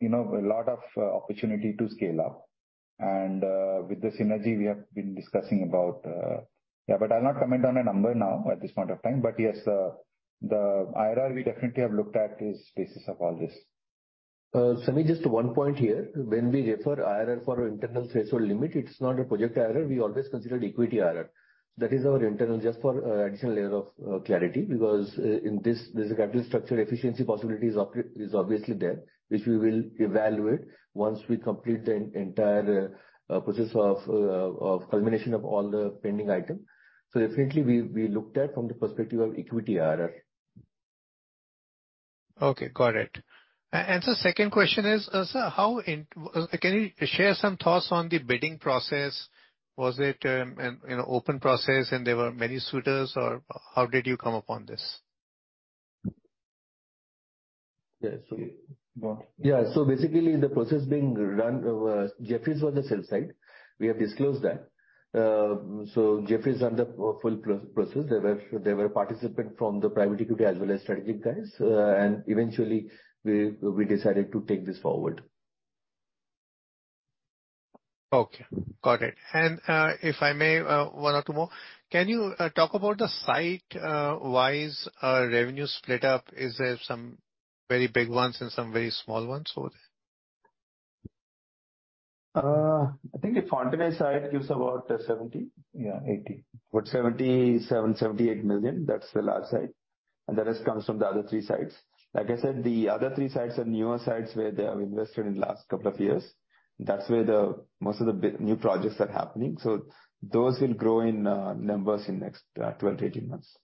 Speaker 3: you know, a lot of opportunity to scale up and, with the synergy we have been discussing about. Yeah, I'll not comment on a number now at this point of time. Yes, the IRR we definitely have looked at is basis of all this.
Speaker 2: Sameer, just one point here. When we refer IRR for internal threshold limit, it's not a project IRR. We always consider equity IRR. That is our internal just for additional layer of clarity. Because in this, there's a capital structure efficiency possibility is obviously there, which we will evaluate once we complete the entire process of culmination of all the pending item. Definitely we looked at from the perspective of equity IRR.
Speaker 14: Okay, got it. sir, second question is, can you share some thoughts on the bidding process? Was it, you know, open process and there were many suitors or how did you come upon this?
Speaker 3: Yeah.
Speaker 2: You want- Basically the process being run, Jefferies was the sell side. We have disclosed that. Jefferies ran the full process. There were participant from the private equity as well as strategic guys. Eventually we decided to take this forward.
Speaker 14: Okay, got it. If I may, one or two more. Can you talk about the site wise revenue split up? Is there some very big ones and some very small ones over there?
Speaker 3: I think the Fontenay side gives about 70.
Speaker 2: Yeah, 80.
Speaker 3: About 77 million, 78 million. That's the large side. The rest comes from the other three sides. Like I said, the other three sides are newer sides where they have invested in the last couple of years. That's where the most of the new projects are happening. Those will grow in numbers in next 12 to 18 months.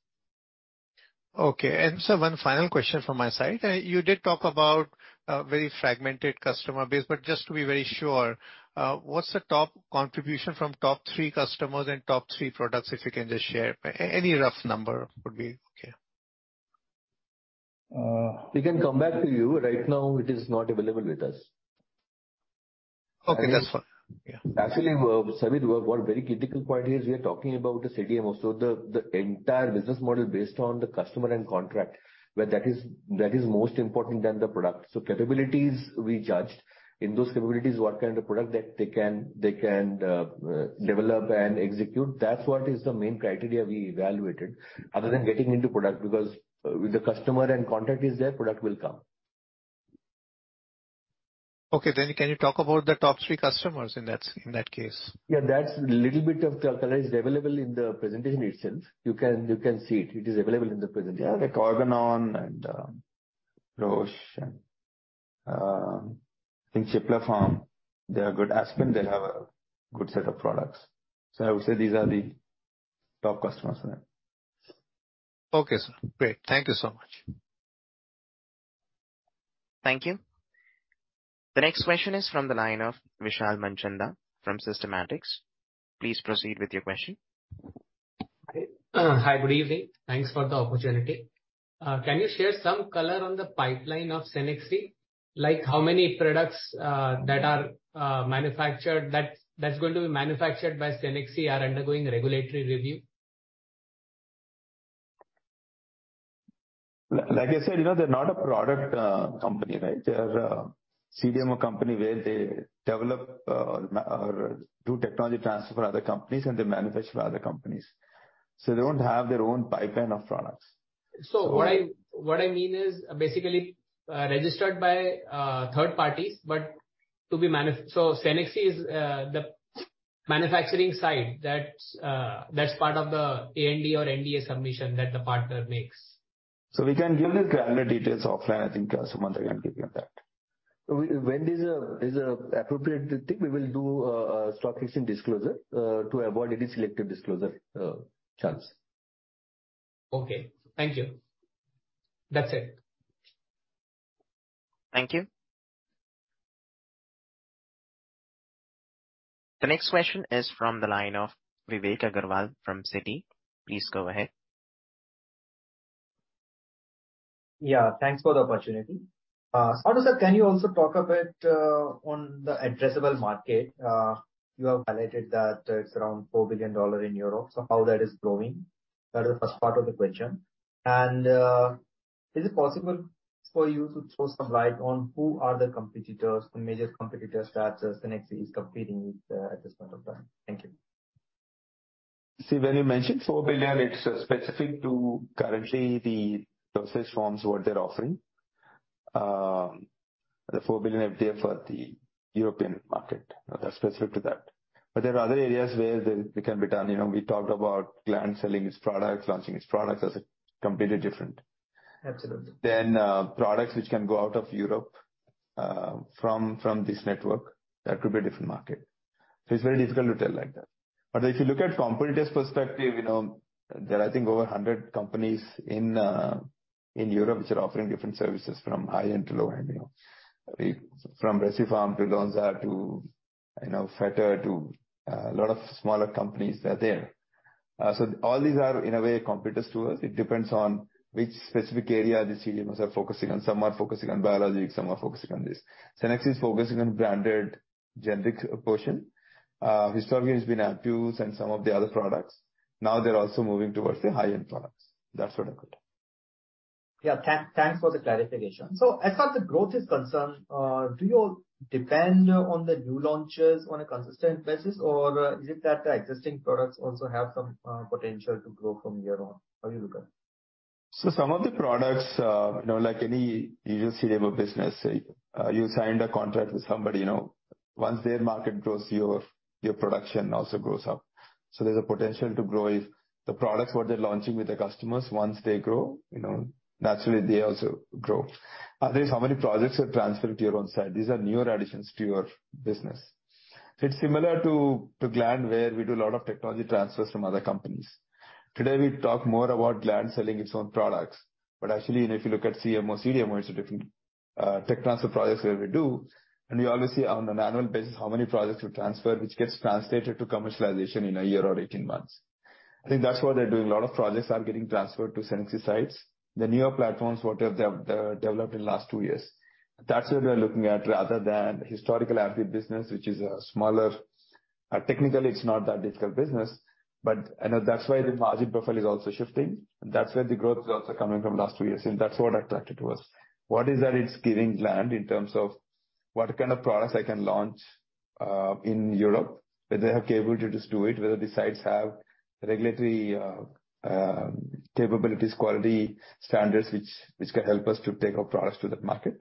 Speaker 14: Okay. Sir, one final question from my side. You did talk about a very fragmented customer base, but just to be very sure, what's the top contribution from top three customers and top three products, if you can just share. Any rough number would be okay.
Speaker 2: We can come back to you. Right now it is not available with us.
Speaker 14: Okay, that's fine.
Speaker 3: Yeah.
Speaker 2: Actually, Sameer, one very critical point here is we are talking about the CDMO. The entire business model based on the customer and contract, where that is most important than the product. Capabilities we judged. In those capabilities, what kind of product that they can develop and execute, that's what is the main criteria we evaluated other than getting into product. If the customer and contract is there, product will come.
Speaker 14: Okay. Can you talk about the top three customers in that in that case?
Speaker 2: That's little bit of color is available in the presentation itself. You can see it. It is available in the presentation.
Speaker 3: Like Organon and Roche, and I think Cipla, they are good. Aspen, they have a good set of products. I would say these are the top customers for them.
Speaker 14: Okay, sir. Great. Thank you so much.
Speaker 1: Thank you. The next question is from the line of Vishal Manchanda from Systematix. Please proceed with your question.
Speaker 15: Hi, good evening. Thanks for the opportunity. Can you share some color on the pipeline of Cenexi? Like, how many products that are manufactured, that's going to be manufactured by Cenexi are undergoing regulatory review?
Speaker 3: like I said, you know, they're not a product, company, right? They're a CDMO company where they develop, or do technology transfer for other companies and they manufacture for other companies. They don't have their own pipeline of products.
Speaker 15: What I mean is basically registered by third parties. Cenexi is the manufacturing side that's part of the ANDA or NDA submission that the partner makes.
Speaker 3: We can give you granular details offline. I think, Sumanta can give you that. When there's an appropriate thing, we will do a stock exchange disclosure to avoid any selective disclosure chance.
Speaker 15: Okay. Thank you. That's it.
Speaker 1: Thank you. The next question is from the line of Vivek Agrawal from Citi. Please go ahead.
Speaker 16: Yeah, thanks for the opportunity. Sanju sir, can you also talk a bit on the addressable market? You have highlighted that it's around EUR 4 billion in Europe, how that is growing? That is the first part of the question. Is it possible for you to throw some light on who are the competitors, the major competitors that Cenexi is competing with at this point of time? Thank you.
Speaker 3: See, when you mention 4 billion, it's specific to currently the process forms, what they're offering. The 4 billion are there for the European market. That's specific to that. There are other areas where they can be done. You know, we talked about Gland selling its products, launching its products. That's completely different.
Speaker 16: Absolutely.
Speaker 3: Products which can go out of Europe, from this network, that could be a different market. It's very difficult to tell like that. If you look at competitors' perspective, you know, there are, I think, over 100 companies in Europe which are offering different services from high-end to low-end, you know. From Recipharm to Lonza to, you know, Vetter to a lot of smaller companies that are there. All these are in a way competitors to us. It depends on which specific area the CDMOs are focusing on. Some are focusing on biologics, some are focusing on this. Cenexi is focusing on branded generic portion. Historically, it's been APIs and some of the other products. Now they're also moving towards the high-end products. That's what I could...
Speaker 16: Yeah. Thanks for the clarification. As far as the growth is concerned, do you depend on the new launches on a consistent basis? Or is it that the existing products also have some potential to grow from here on? How do you look at it?
Speaker 3: Some of the products, you know, like any usual CDMO business, you signed a contract with somebody, you know. Once their market grows, your production also grows up. There's a potential to grow if the products what they're launching with the customers, once they grow, you know, naturally they also grow. There's how many projects are transferred to your own site. These are newer additions to your business. It's similar to Gland, where we do a lot of technology transfers from other companies. Today, we talk more about Gland selling its own products. Actually, you know, if you look at CMO, CDMO, it's a different, tech transfer projects that we do. We always see on an annual basis how many projects we transfer, which gets translated to commercialization in a year or 18 months. I think that's what they're doing. A lot of projects are getting transferred to Cenexi sites. The newer platforms what they have developed in last two years, that's where we are looking at rather than historical APIs business, which is a smaller. Technically, it's not that difficult business, I know that's why the margin profile is also shifting. That's where the growth results are coming from last two years, that's what attracted to us. What is that it's giving Gland in terms of what kind of products I can launch in Europe, whether they have capabilities to do it, whether the sites have regulatory capabilities, quality standards, which can help us to take our products to that market.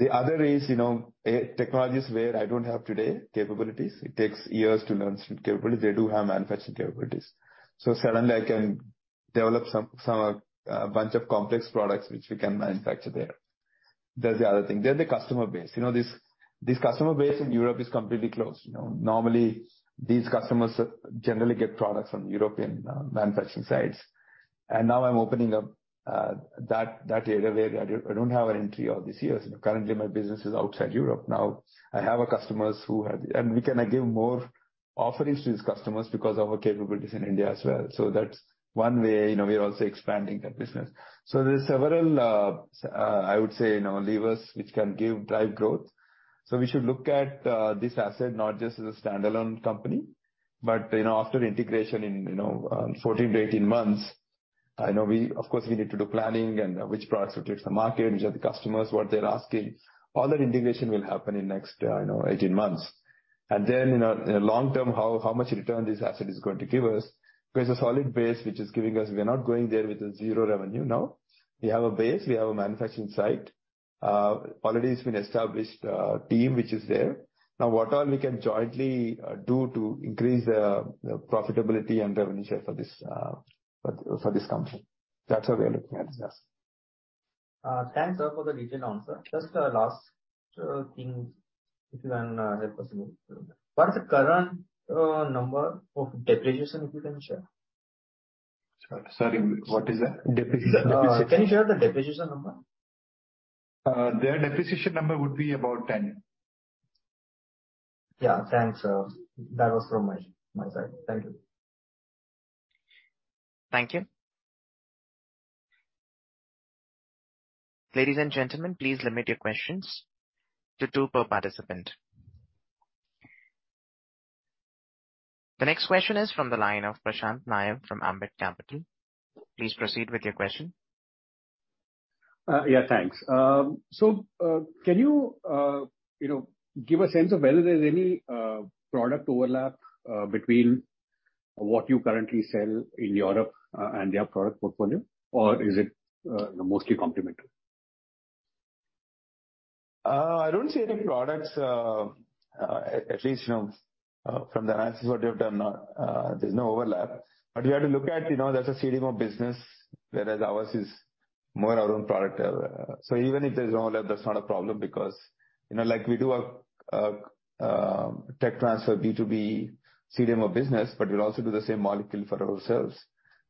Speaker 3: The other is, you know, a technologies where I don't have today capabilities. It takes years to learn some capabilities. They do have manufacturing capabilities. suddenly I can develop some, a bunch of complex products which we can manufacture there. That's the other thing. the customer base. You know, this customer base in Europe is completely closed. You know, normally these customers generally get products from European manufacturing sites. now I'm opening up that area where I don't have an entry all these years. Currently, my business is outside Europe. I have a customers who have... we can give more offerings to these customers because of our capabilities in India as well. that's one way, you know, we are also expanding that business. there's several, I would say, you know, levers which can give drive growth. We should look at this asset not just as a standalone company, but, you know, after integration in, you know, 14 to 18 months. Of course, we need to do planning and which products to take to the market, which are the customers, what they're asking. All that integration will happen in next, you know, 18 months. In the long term, how much return this asset is going to give us. There's a solid base which is giving us. We are not going there with a zero revenue now. We have a base, we have a manufacturing site, already it's been established, team which is there. Now, what all we can jointly do to increase the profitability and revenue share for this company. That's how we are looking at this, yes.
Speaker 16: Thanks, sir, for the detailed answer. Just, last, thing, if you can, help us with. What's the current, number of depreciation, if you can share?
Speaker 3: Sorry, what is that?
Speaker 1: Depreciation.
Speaker 16: Can you share the depreciation number?
Speaker 3: Their depreciation number would be about 10.
Speaker 16: Thanks, sir. That was from my side. Thank you.
Speaker 1: Thank you. Ladies and gentlemen, please limit your questions to two per participant. The next question is from the line of Prashant Nair from Ambit Capital. Please proceed with your question.
Speaker 17: Yeah, thanks. Can you know, give a sense of whether there's any product overlap between what you currently sell in Europe and their product portfolio? Is it, you know, mostly complementary?
Speaker 7: I don't see any products, at least, you know, from the analysis what you have done now, there's no overlap. We have to look at, you know, that's a CDMO business, whereas ours is more our own product. Even if there's overlap, that's not a problem because, you know, like, we do a tech transfer B2B CDMO business, but we'll also do the same molecule for ourselves.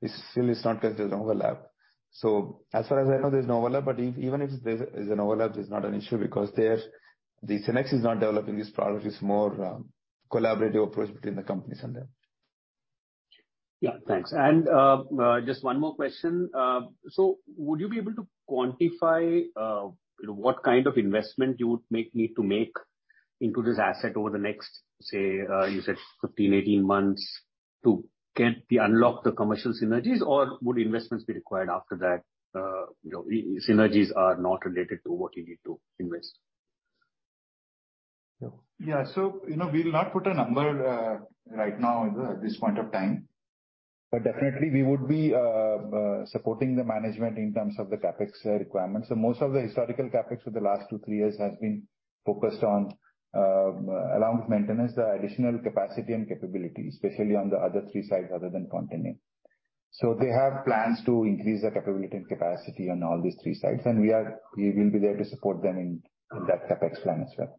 Speaker 7: It still is not considered overlap. As far as I know, there's no overlap. Even if there's an overlap, there's not an issue because their, the Cenexi is not developing this product. It's more a collaborative approach between the companies on that.
Speaker 17: Yeah, thanks. Just one more question. Would you be able to quantify, you know, what kind of investment you would make, need to make into this asset over the next, say, you said 15, 18 months to get the, unlock the commercial synergies? Would investments be required after that, you know, if synergies are not related to what you need to invest?
Speaker 7: Yeah. you know, we will not put a number right now at this point of time. Definitely we would be supporting the management in terms of the CapEx requirements. Most of the historical CapEx for the last two, three years has been focused on along with maintenance, the additional capacity and capability, especially on the other three sites other than Fontenay. They have plans to increase the capability and capacity on all these three sites. We will be there to support them in that CapEx plan as well.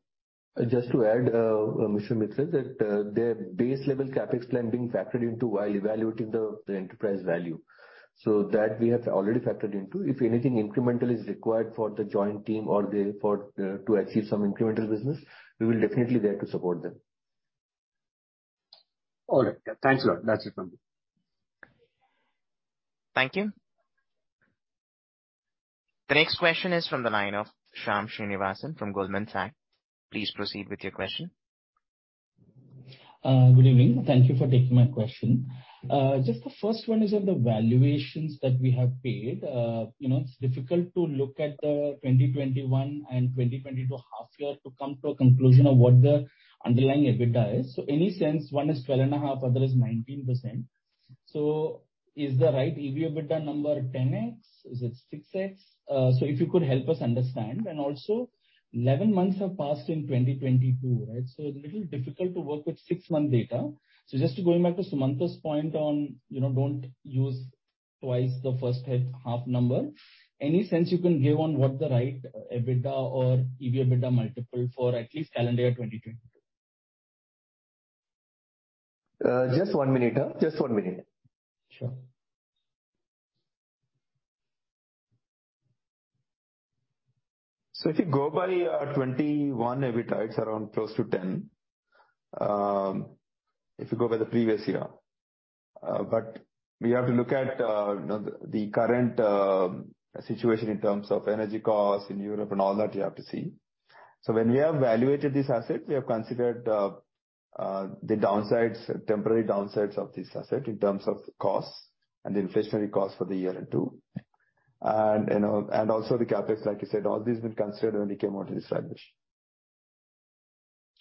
Speaker 2: Just to add, Mr. Mitra, that their base level CapEx plan being factored into while evaluating the enterprise value. That we have already factored into. If anything incremental is required for the joint team or for to achieve some incremental business, we will definitely there to support them.
Speaker 17: All right. Yeah, thanks a lot. That's it from me.
Speaker 1: Thank you. The next question is from the line of Shyam Srinivasan from Goldman Sachs. Please proceed with your question.
Speaker 18: Good evening. Thank you for taking my question. Just the first one is on the valuations that we have paid. You know, it's difficult to look at the 2021 and 2022 half year to come to a conclusion of what the underlying EBITDA is. Any sense, one is 12.5%, other is 19%. Is the right EBITDA number 10x? Is it 6x? If you could help us understand. Also, 11 months have passed in 2022, right? A little difficult to work with six-month data. Just going back to Sumanta's point on, you know, don't use twice the first half number. Any sense you can give on what the right EBITDA or EBITDA multiple for at least calendar year 2022?
Speaker 3: Just one minute. Just one minute.
Speaker 18: Sure.
Speaker 3: If you go by, 21 EBITDA, it's around close to 10. If you go by the previous year. We have to look at, you know, the current situation in terms of energy costs in Europe and all that you have to see. When we have valuated this asset, we have considered the downsides, temporary downsides of this asset in terms of costs and the inflationary costs for the year 2. You know, and also the CapEx, like you said, all these were considered when we came out with this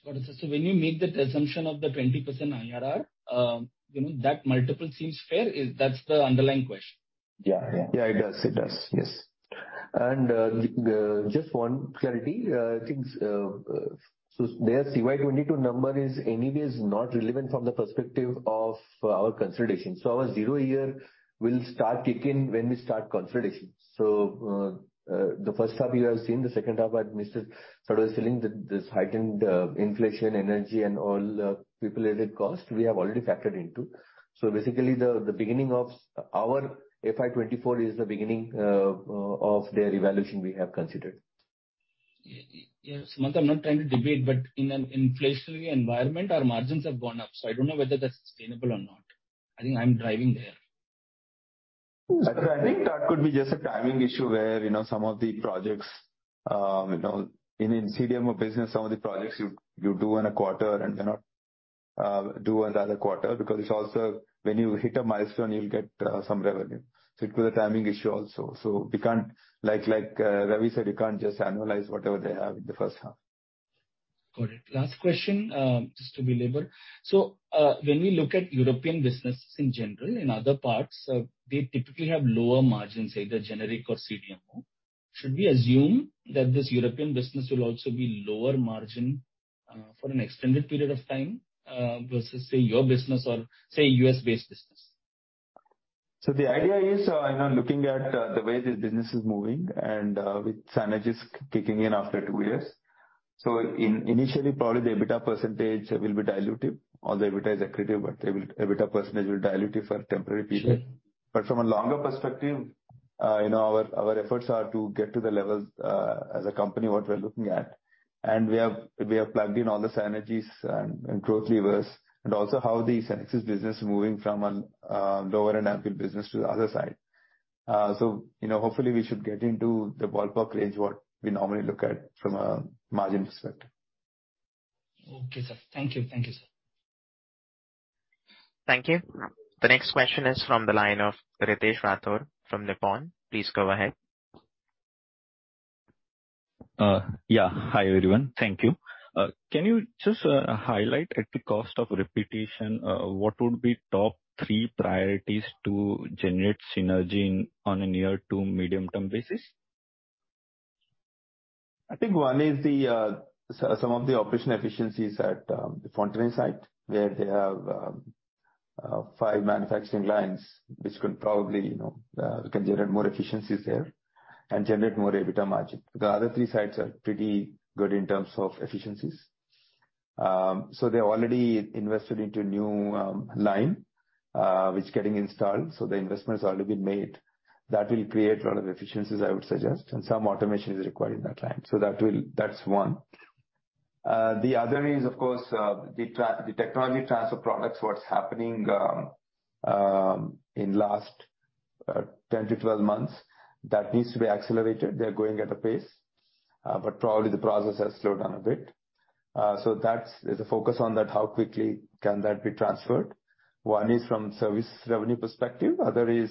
Speaker 3: valuation.
Speaker 18: Got it, sir. When you make that assumption of the 20% IRR, you know, that multiple seems fair. That's the underlying question.
Speaker 3: Yeah, yeah.
Speaker 2: Yeah, it does. Yes. Just one clarity. I think their CY 2022 number is anyways not relevant from the perspective of our consolidation. Our zero year will start kicking when we start consolidation. The first half you have seen, the second half what Mr. Sardeshmukh was telling, this heightened inflation, energy and all, populated costs, we have already factored into. Basically the beginning of our FY24 is the beginning of their evaluation we have considered.
Speaker 18: Yes, Sumanta, I'm not trying to debate. In an inflationary environment, our margins have gone up. I don't know whether that's sustainable or not. I think I'm driving there.
Speaker 3: I think that could be just a timing issue where, you know, some of the projects, you know, in a CDMO business, some of the projects you do in a quarter and you not do in the other quarter because it's also when you hit a milestone, you'll get some revenue. It was a timing issue also. We can't like Ravi said, you can't just annualize whatever they have in the first half.
Speaker 18: Got it. Last question, just to be labor. When we look at European businesses in general, in other parts, they typically have lower margins, either generic or CDMO. Should we assume that this European business will also be lower margin, for an extended period of time, versus say your business or say US-based business?
Speaker 3: The idea is, you know, looking at the way this business is moving and, with synergies kicking in after two years. Initially probably the EBITDA percentage will be dilutive or the EBITDA is accretive, but EBITDA percentage will dilutive for a temporary period.
Speaker 18: Sure.
Speaker 3: From a longer perspective, you know, our efforts are to get to the levels, as a company, what we're looking at. We have plugged in all the synergies and growth levers and also how the Cenexi business is moving from an lower end AMP business to the other side. You know, hopefully we should get into the ballpark range what we normally look at from a margin perspective.
Speaker 18: Okay, sir. Thank you. Thank you, sir.
Speaker 1: Thank you. The next question is from the line of Ritesh Rathaur from Nippon. Please go ahead.
Speaker 19: Yeah. Hi, everyone. Thank you. Can you just highlight at the cost of repetition, what would be top three priorities to generate synergy in, on a near to medium term basis?
Speaker 3: I think one is some of the operational efficiencies at the Fontenay site where they have five manufacturing lines which could probably, you know, can generate more efficiencies there and generate more EBITDA margin. The other three sites are pretty good in terms of efficiencies. They already invested into a new line which is getting installed, so the investment's already been made. That will create a lot of efficiencies, I would suggest, and some automation is required in that line. That's one. The other is of course, the technology transfer products, what's happening in last 10-12 months. That needs to be accelerated. They're going at a pace, but probably the process has slowed down a bit. That's, there's a focus on that, how quickly can that be transferred. One is from service revenue perspective. Other is,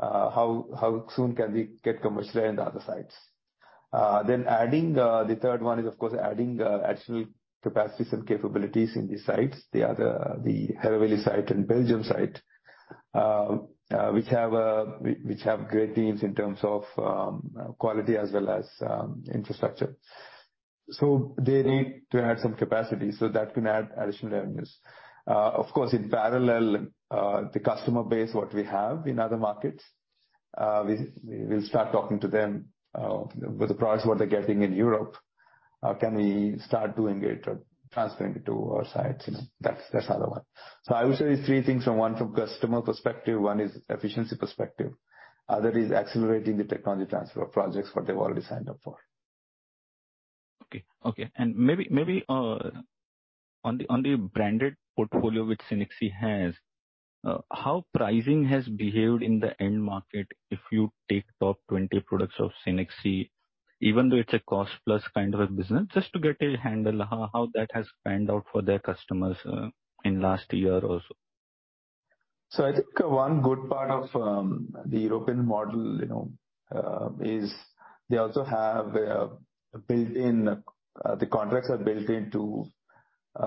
Speaker 3: how soon can we get commercialized in the other sites. Adding, the third one is of course adding, additional capacities and capabilities in these sites. The other, the Hérouville site and Belgium site, which have great teams in terms of quality as well as infrastructure. They need to add some capacity so that can add additional revenues. Of course, in parallel, the customer base what we have in other markets, we'll start talking to them, with the price what they're getting in Europe, can we start doing it or transferring it to our sites, you know. That's, that's another one. I would say these three things from one, from customer perspective, one is efficiency perspective. Other is accelerating the technology transfer of projects, what they've already signed up for.
Speaker 19: Okay. Okay. Maybe on the branded portfolio which Cenexi has, how pricing has behaved in the end market if you take top 20 products of Cenexi, even though it's a cost plus kind of a business, just to get a handle how that has panned out for their customers in last year or so?
Speaker 3: I think one good part of the European model, you know, is they also have the contracts are built into, you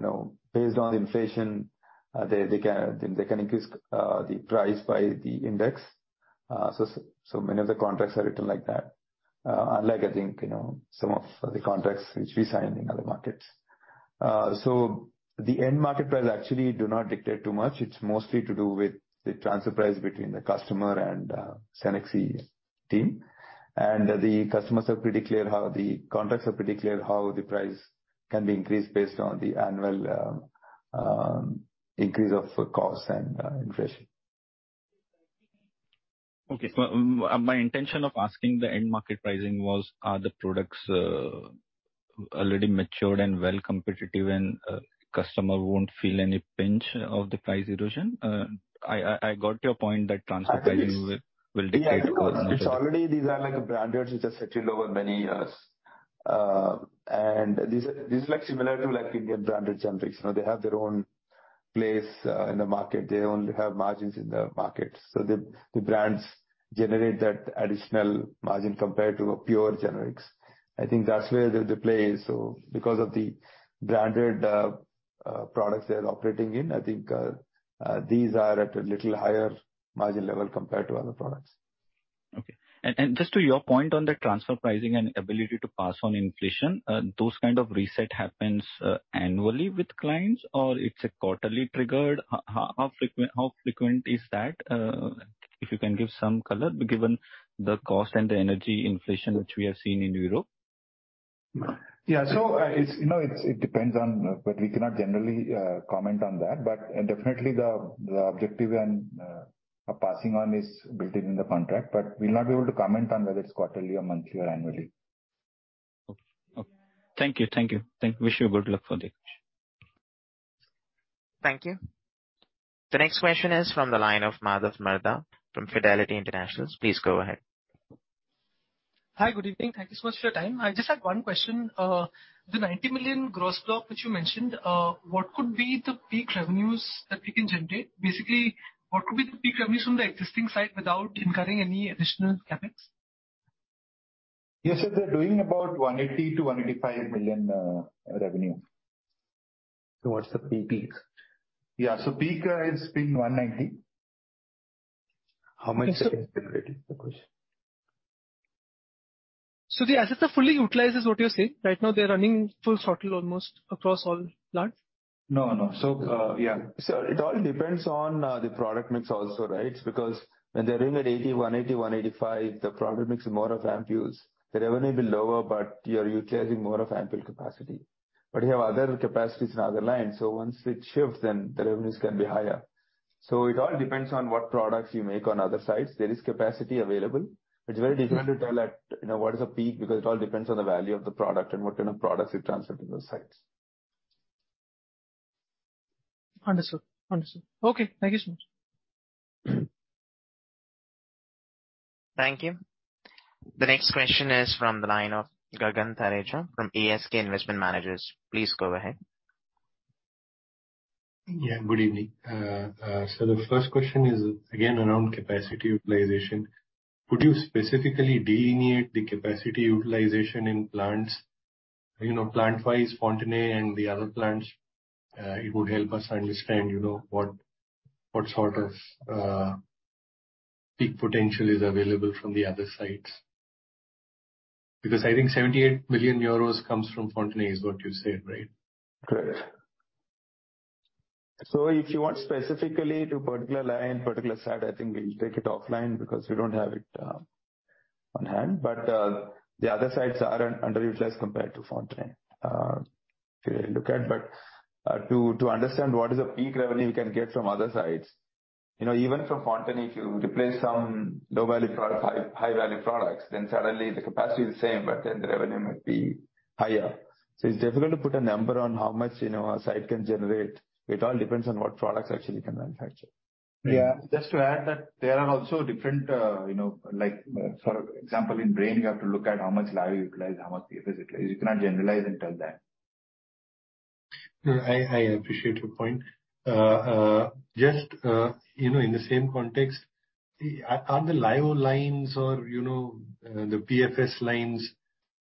Speaker 3: know, based on inflation. They can increase the price by the index. Many of the contracts are written like that, unlike I think, you know, some of the contracts which we sign in other markets. The end market price actually do not dictate too much. It's mostly to do with the transfer price between the customer and Cenexi team. The contracts are pretty clear how the price can be increased based on the annual increase of cost and inflation.
Speaker 19: Okay. My intention of asking the end market pricing was, are the products already matured and well competitive and customer won't feel any pinch of the price erosion? I got your point that transfer pricing will dictate.
Speaker 3: Yeah. It's already these are like branded, which has settled over many years. And these are like similar to like Indian branded generics. You know, they have their own place in the market. They only have margins in the market. The brands generate that additional margin compared to pure generics. I think that's where the play is. Because of the branded products they're operating in, I think these are at a little higher margin level compared to other products.
Speaker 19: Okay. Just to your point on the transfer pricing and ability to pass on inflation, those kind of reset happens annually with clients or it's a quarterly triggered? How frequent is that? If you can give some color, given the cost and the energy inflation which we have seen in Europe.
Speaker 3: Yeah. It's, you know, it depends on... We cannot generally comment on that. Definitely the objective and passing on is built into the contract. We'll not be able to comment on whether it's quarterly or monthly or annually.
Speaker 19: Okay. Thank you. Thank you. Thank you. Wish you good luck for the future.
Speaker 1: Thank you. The next question is from the line of Madhav Marda from Fidelity International. Please go ahead.
Speaker 20: Hi. Good evening. Thank you so much for your time. I just had one question. The 90 million gross block which you mentioned, what could be the peak revenues that we can generate? Basically, what could be the peak revenues from the existing site without incurring any additional CapEx?
Speaker 7: Yes. They're doing about $180 million-$185 million revenue.
Speaker 20: What's the peak?
Speaker 3: Yeah. Peak has been 190.
Speaker 20: How much? The assets are fully utilized is what you're saying? Right now they're running full throttle almost across all plants.
Speaker 3: No, no. Yeah. It all depends on the product mix also, right? Because when they're doing at 80, 180, 185, the product mix is more of ampules. The revenue will be lower, but you're utilizing more of ampule capacity. You have other capacities in other lines, once it shifts, then the revenues can be higher. It all depends on what products you make on other sites. There is capacity available, it's very difficult to tell at, you know, what is the peak because it all depends on the value of the product and what kind of products you transfer to those sites.
Speaker 20: Understood. Understood. Okay. Thank you so much.
Speaker 1: Thank you. The next question is from the line of Gagan Thareja from ASK Investment Managers. Please go ahead.
Speaker 21: Yeah. Good evening. The first question is again around capacity utilization. Could you specifically delineate the capacity utilization in plants? You know, plant-wise, Fontenay and the other plants. It would help us understand, you know, what sort of Peak potential is available from the other sites. I think 78 million euros comes from Fontenay is what you said, right?
Speaker 3: Correct. If you want specifically to particular line, particular site, I think we'll take it offline because we don't have it on hand. The other sites are underutilized compared to Fontenay, if you look at. To understand what is the peak revenue you can get from other sites, you know, even from Fontenay, if you replace some low-value high-value products, then suddenly the capacity is the same, but then the revenue might be higher. It's difficult to put a number on how much, you know, a site can generate. It all depends on what products actually can manufacture.
Speaker 21: Yeah.
Speaker 7: Just to add that there are also different, you know, like, for example, in brain you have to look at how much Lyo utilized, how much PFS utilized. You cannot generalize and tell that.
Speaker 21: No, I appreciate your point. Just, you know, in the same context, are the Lyo lines or, you know, the PFS lines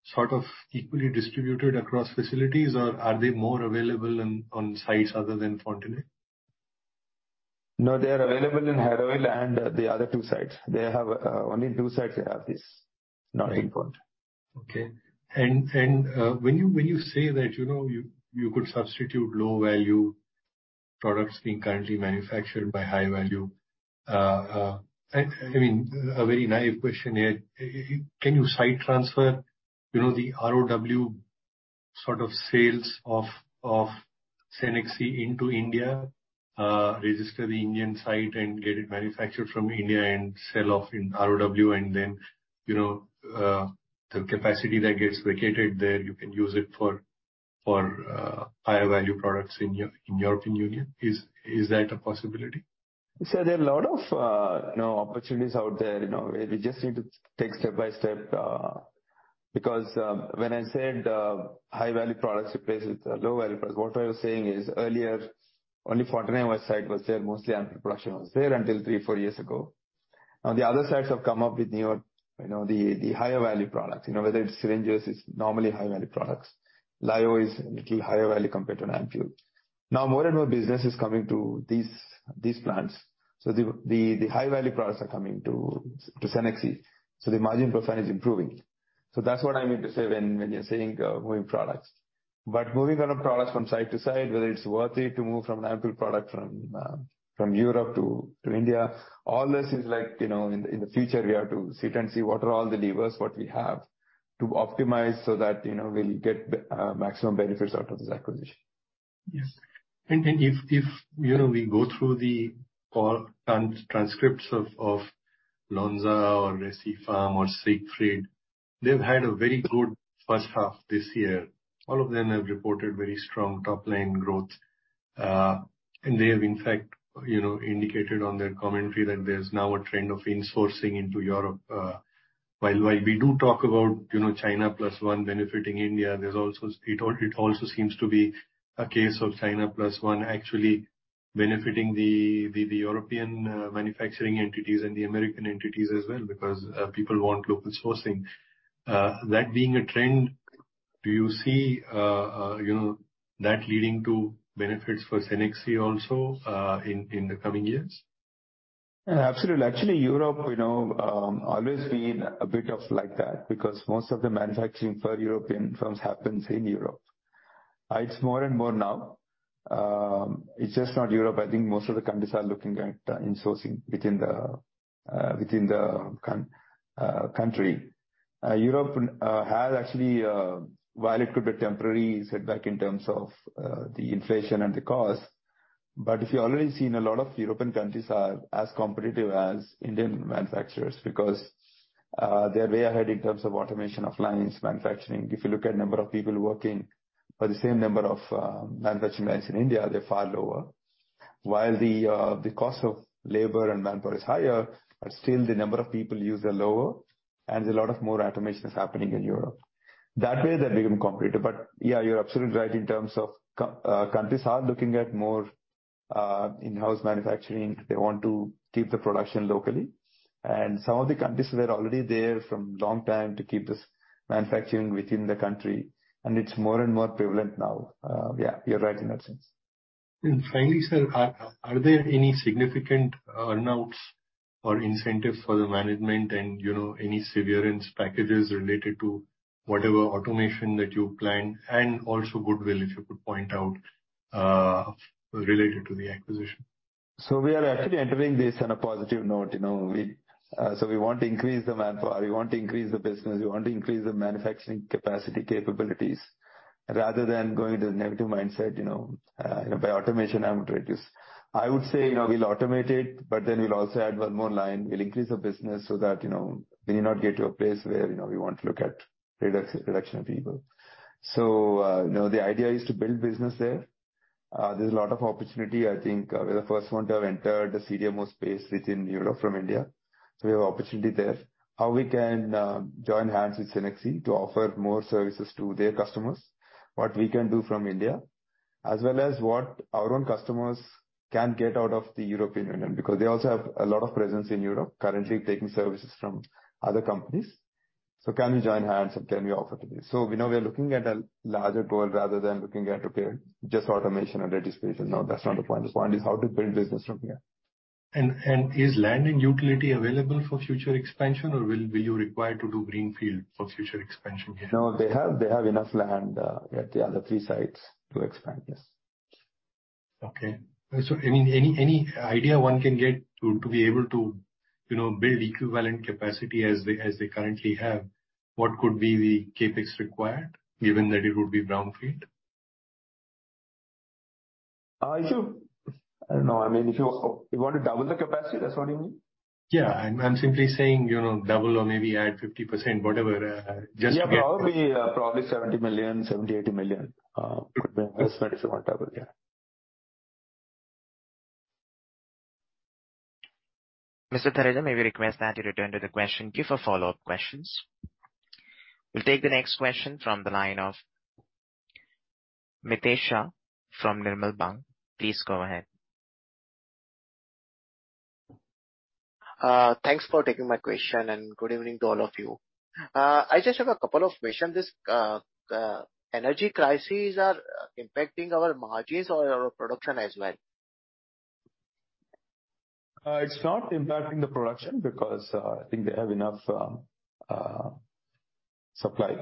Speaker 21: sort of equally distributed across facilities or are they more available on sites other than Fontenay?
Speaker 3: No, they are available in Hérouville and the other two sites. They have only two sites they have this. Not in Fontenay.
Speaker 21: Okay. When you say that, you know, you could substitute low-value products being currently manufactured by high value, I mean, a very naive question here. Can you site transfer, you know, the ROW sort of sales of Cenexi into India, register the Indian site and get it manufactured from India and sell off in ROW and then, you know, the capacity that gets vacated there, you can use it for higher value products in European Union. Is that a possibility?
Speaker 3: There are a lot of, you know, opportunities out there, you know. We just need to take step by step. When I said high-value products replaced with low-value products, what I was saying is, earlier, only Fontenay site was there, mostly ampule production was there until three, four years ago. The other sites have come up with newer, you know, the higher value products. You know, whether it's syringes, it's normally high-value products. Lyo is a little higher value compared to an ampule. More and more business is coming to these plants, so the high-value products are coming to Cenexi. The margin profile is improving. That's what I meant to say when you're saying moving products. Moving around products from site to site, whether it's worthy to move from ampule product from Europe to India, all this is like, you know, in the future, we have to sit and see what are all the levers, what we have to optimize so that, you know, we'll get maximum benefits out of this acquisition.
Speaker 21: Yes. Then if, you know, we go through the call transcripts of Lonza or Recipharm or Siegfried, they've had a very good first half this year. All of them have reported very strong top-line growth. They have, in fact, you know, indicated on their commentary that there's now a trend of insourcing into Europe. While we do talk about, you know, China plus one benefiting India, it also seems to be a case of China plus one actually benefiting the European manufacturing entities and the American entities as well because people want local sourcing. That being a trend, do you see, you know, that leading to benefits for Cenexi also in the coming years?
Speaker 3: Absolutely. Actually, Europe, you know, always been a bit of like that because most of the manufacturing for European firms happens in Europe. It's more and more now, it's just not Europe. I think most of the countries are looking at insourcing within the country. Europe has actually, while it could be temporary setback in terms of the inflation and the cost, but if you've already seen a lot of European countries are as competitive as Indian manufacturers because they're way ahead in terms of automation of lines, manufacturing. If you look at number of people working for the same number of manufacturing plants in India, they're far lower. While the cost of labor and manpower is higher, still the number of people used are lower and a lot of more automation is happening in Europe. That way they become competitive. Yeah, you're absolutely right in terms of countries are looking at more in-house manufacturing. They want to keep the production locally. Some of the countries were already there from long time to keep this manufacturing within the country, and it's more and more prevalent now. Yeah, you're right in that sense.
Speaker 21: Finally, sir, are there any significant earn-outs or incentives for the management and, you know, any severance packages related to whatever automation that you plan, and also goodwill, if you could point out, related to the acquisition?
Speaker 3: We are actually entering this on a positive note, you know. We want to increase the manpower, we want to increase the business, we want to increase the manufacturing capacity capabilities rather than going into the negative mindset, you know, by automation, I want to reduce. I would say, you know, we'll automate it, but then we'll also add one more line. We'll increase the business so that, you know, we may not get to a place where, you know, we want to look at reduction of people. You know, the idea is to build business there. There's a lot of opportunity. I think we're the first one to have entered the CDMO space within Europe from India, so we have opportunity there. How we can join hands with Cenexi to offer more services to their customers, what we can do from India, as well as what our own customers can get out of the European Union. They also have a lot of presence in Europe, currently taking services from other companies. Can we join hands and can we offer to this? We know we are looking at a larger goal rather than looking at, okay, just automation or data space. No, that's not the point. The point is how to build business from here.
Speaker 21: Is land and utility available for future expansion or will you require to do greenfield for future expansion here?
Speaker 3: No, they have enough land, at the other three sites to expand, yes.
Speaker 21: Any idea one can get to be able to, you know, build equivalent capacity as they currently have, what could be the CapEx required given that it would be brownfield?
Speaker 3: I don't know. I mean, if you want to double the capacity, that's what you mean?
Speaker 21: Yeah. I'm simply saying, you know, double or maybe add 50%, whatever, just to get-
Speaker 3: Yeah, probably 70 million, 70 million-80 million, could be invested if you want to double, yeah.
Speaker 1: Mr. Tharage, may we request that you return to the question queue for follow-up questions. We'll take the next question from the line of Mitesh Shah from Nirmal Bang. Please go ahead.
Speaker 22: Thanks for taking my question, and good evening to all of you. I just have a couple of questions. This energy crisis are impacting our margins or our production as well?
Speaker 3: It's not impacting the production because I think they have enough supply.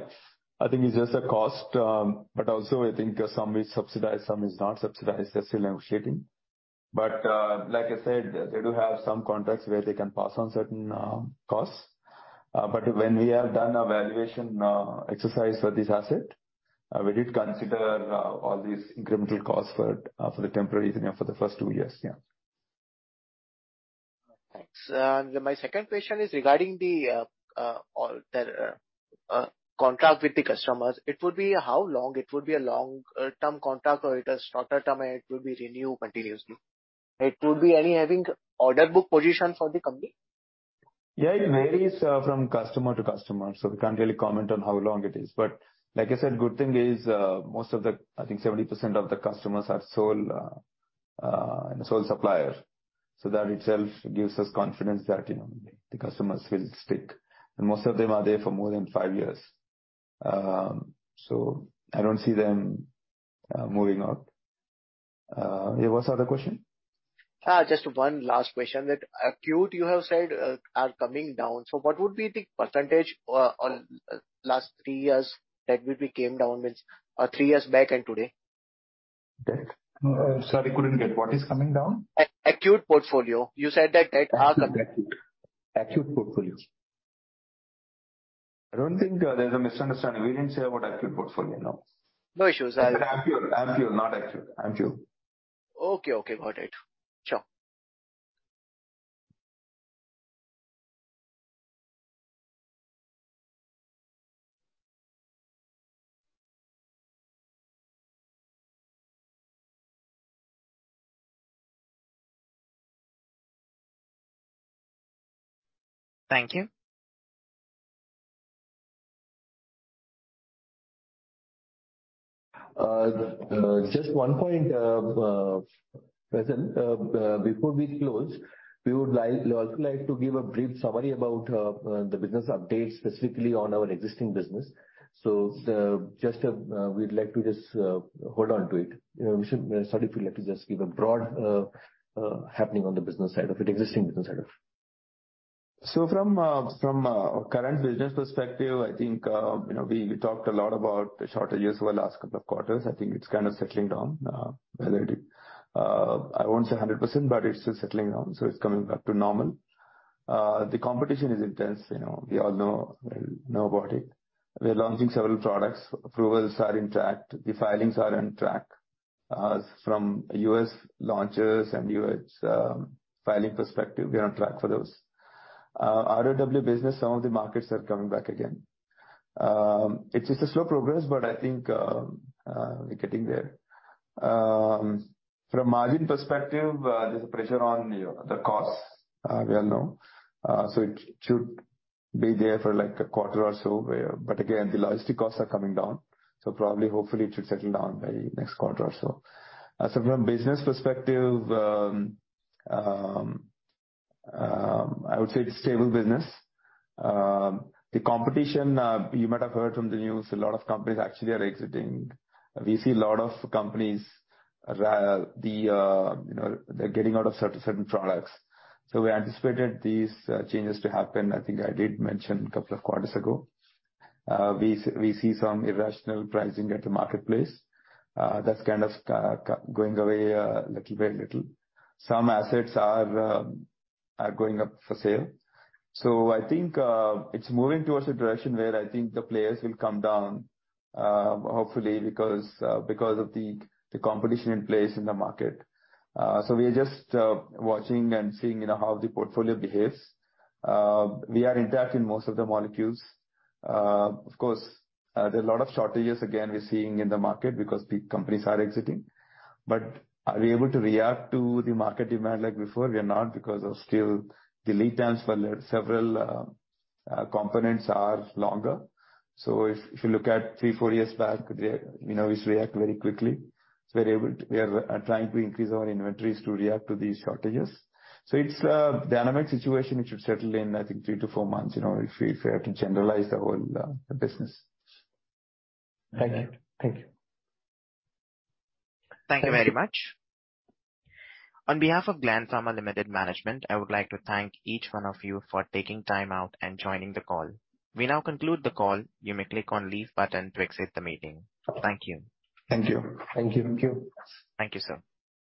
Speaker 3: I think it's just a cost. Also I think some is subsidized, some is not subsidized. They're still negotiating. Like I said, they do have some contracts where they can pass on certain costs. When we have done a valuation exercise for this asset, we did consider all these incremental costs for the temporary reason for the first two years. Yeah.
Speaker 22: Thanks. My second question is regarding their contract with the customers. It would be how long? It would be a long-term contract or it is shorter term and it will be renewed continuously? It would be any having order book position for the company?
Speaker 3: Yeah, it varies from customer to customer, so we can't really comment on how long it is. Like I said, good thing is, I think 70% of the customers are sole supplier. That itself gives us confidence that, you know, the customers will stick. Most of them are there for more than five years. I don't see them moving out. Yeah, what's the other question?
Speaker 22: Just one last question. That acute you have said are coming down, what would be the % or last three years that would be came down with, three years back and today?
Speaker 3: That... sorry, couldn't get. What is coming down?
Speaker 22: Acute portfolio. You said that.
Speaker 3: Acute portfolio. I don't think. There's a misunderstanding. We didn't say about acute portfolio, no.
Speaker 22: No issues.
Speaker 3: I said ampule. Ampule, not acute. Ampule.
Speaker 22: Okay. Got it. Sure. Thank you.
Speaker 3: Just one point, Vasant. Before we close, we also like to give a brief summary about the business updates specifically on our existing business. We'd like to just hold on to it. You know, Sorry. If you'd like to just give a broad happening on the business side of it, existing business side of it. From current business perspective, I think, you know, we talked a lot about the shortages over the last couple of quarters. I think it's kind of settling down already. I won't say 100%, but it's settling down, so it's coming back to normal. The competition is intense, you know. We all know about it. We are launching several products. Approvals are intact. The filings are on track. From U.S. launches and U.S. filing perspective, we are on track for those. ROW business, some of the markets are coming back again. It's just a slow progress, but I think we're getting there. From margin perspective, there's a pressure on, you know, the costs, we all know. It should be there for like a quarter or so where... Again, the logistic costs are coming down, so probably, hopefully it should settle down by next quarter or so. From business perspective, I would say it's stable business. The competition, you might have heard from the news, a lot of companies actually are exiting. We see a lot of companies, the, you know, they're getting out of certain products. We anticipated these changes to happen. I think I did mention a couple of quarters ago. We see some irrational pricing at the marketplace. That's kind of going away, little by little. Some assets are going up for sale. I think it's moving towards a direction where I think the players will come down, hopefully because of the competition in place in the market. We are just watching and seeing, you know, how the portfolio behaves. We are intact in most of the molecules. Of course, there are a lot of shortages again we're seeing in the market because the companies are exiting. Are we able to react to the market demand like before? We are not because of still the lead times for the several components are longer. If you look at three, four years back, we, you know, used to react very quickly. We are trying to increase our inventories to react to these shortages. It's a dynamic situation which should settle in, I think three to four months, you know, if we have to generalize the whole, the business.
Speaker 22: Thank you. Thank you.
Speaker 1: Thank you very much. On behalf of Gland Pharma Limited Management, I would like to thank each one of you for taking time out and joining the call. We now conclude the call. You may click on Leave button to exit the meeting. Thank you.
Speaker 3: Thank you.
Speaker 7: Thank you.
Speaker 2: Thank you.
Speaker 1: Thank you, sir.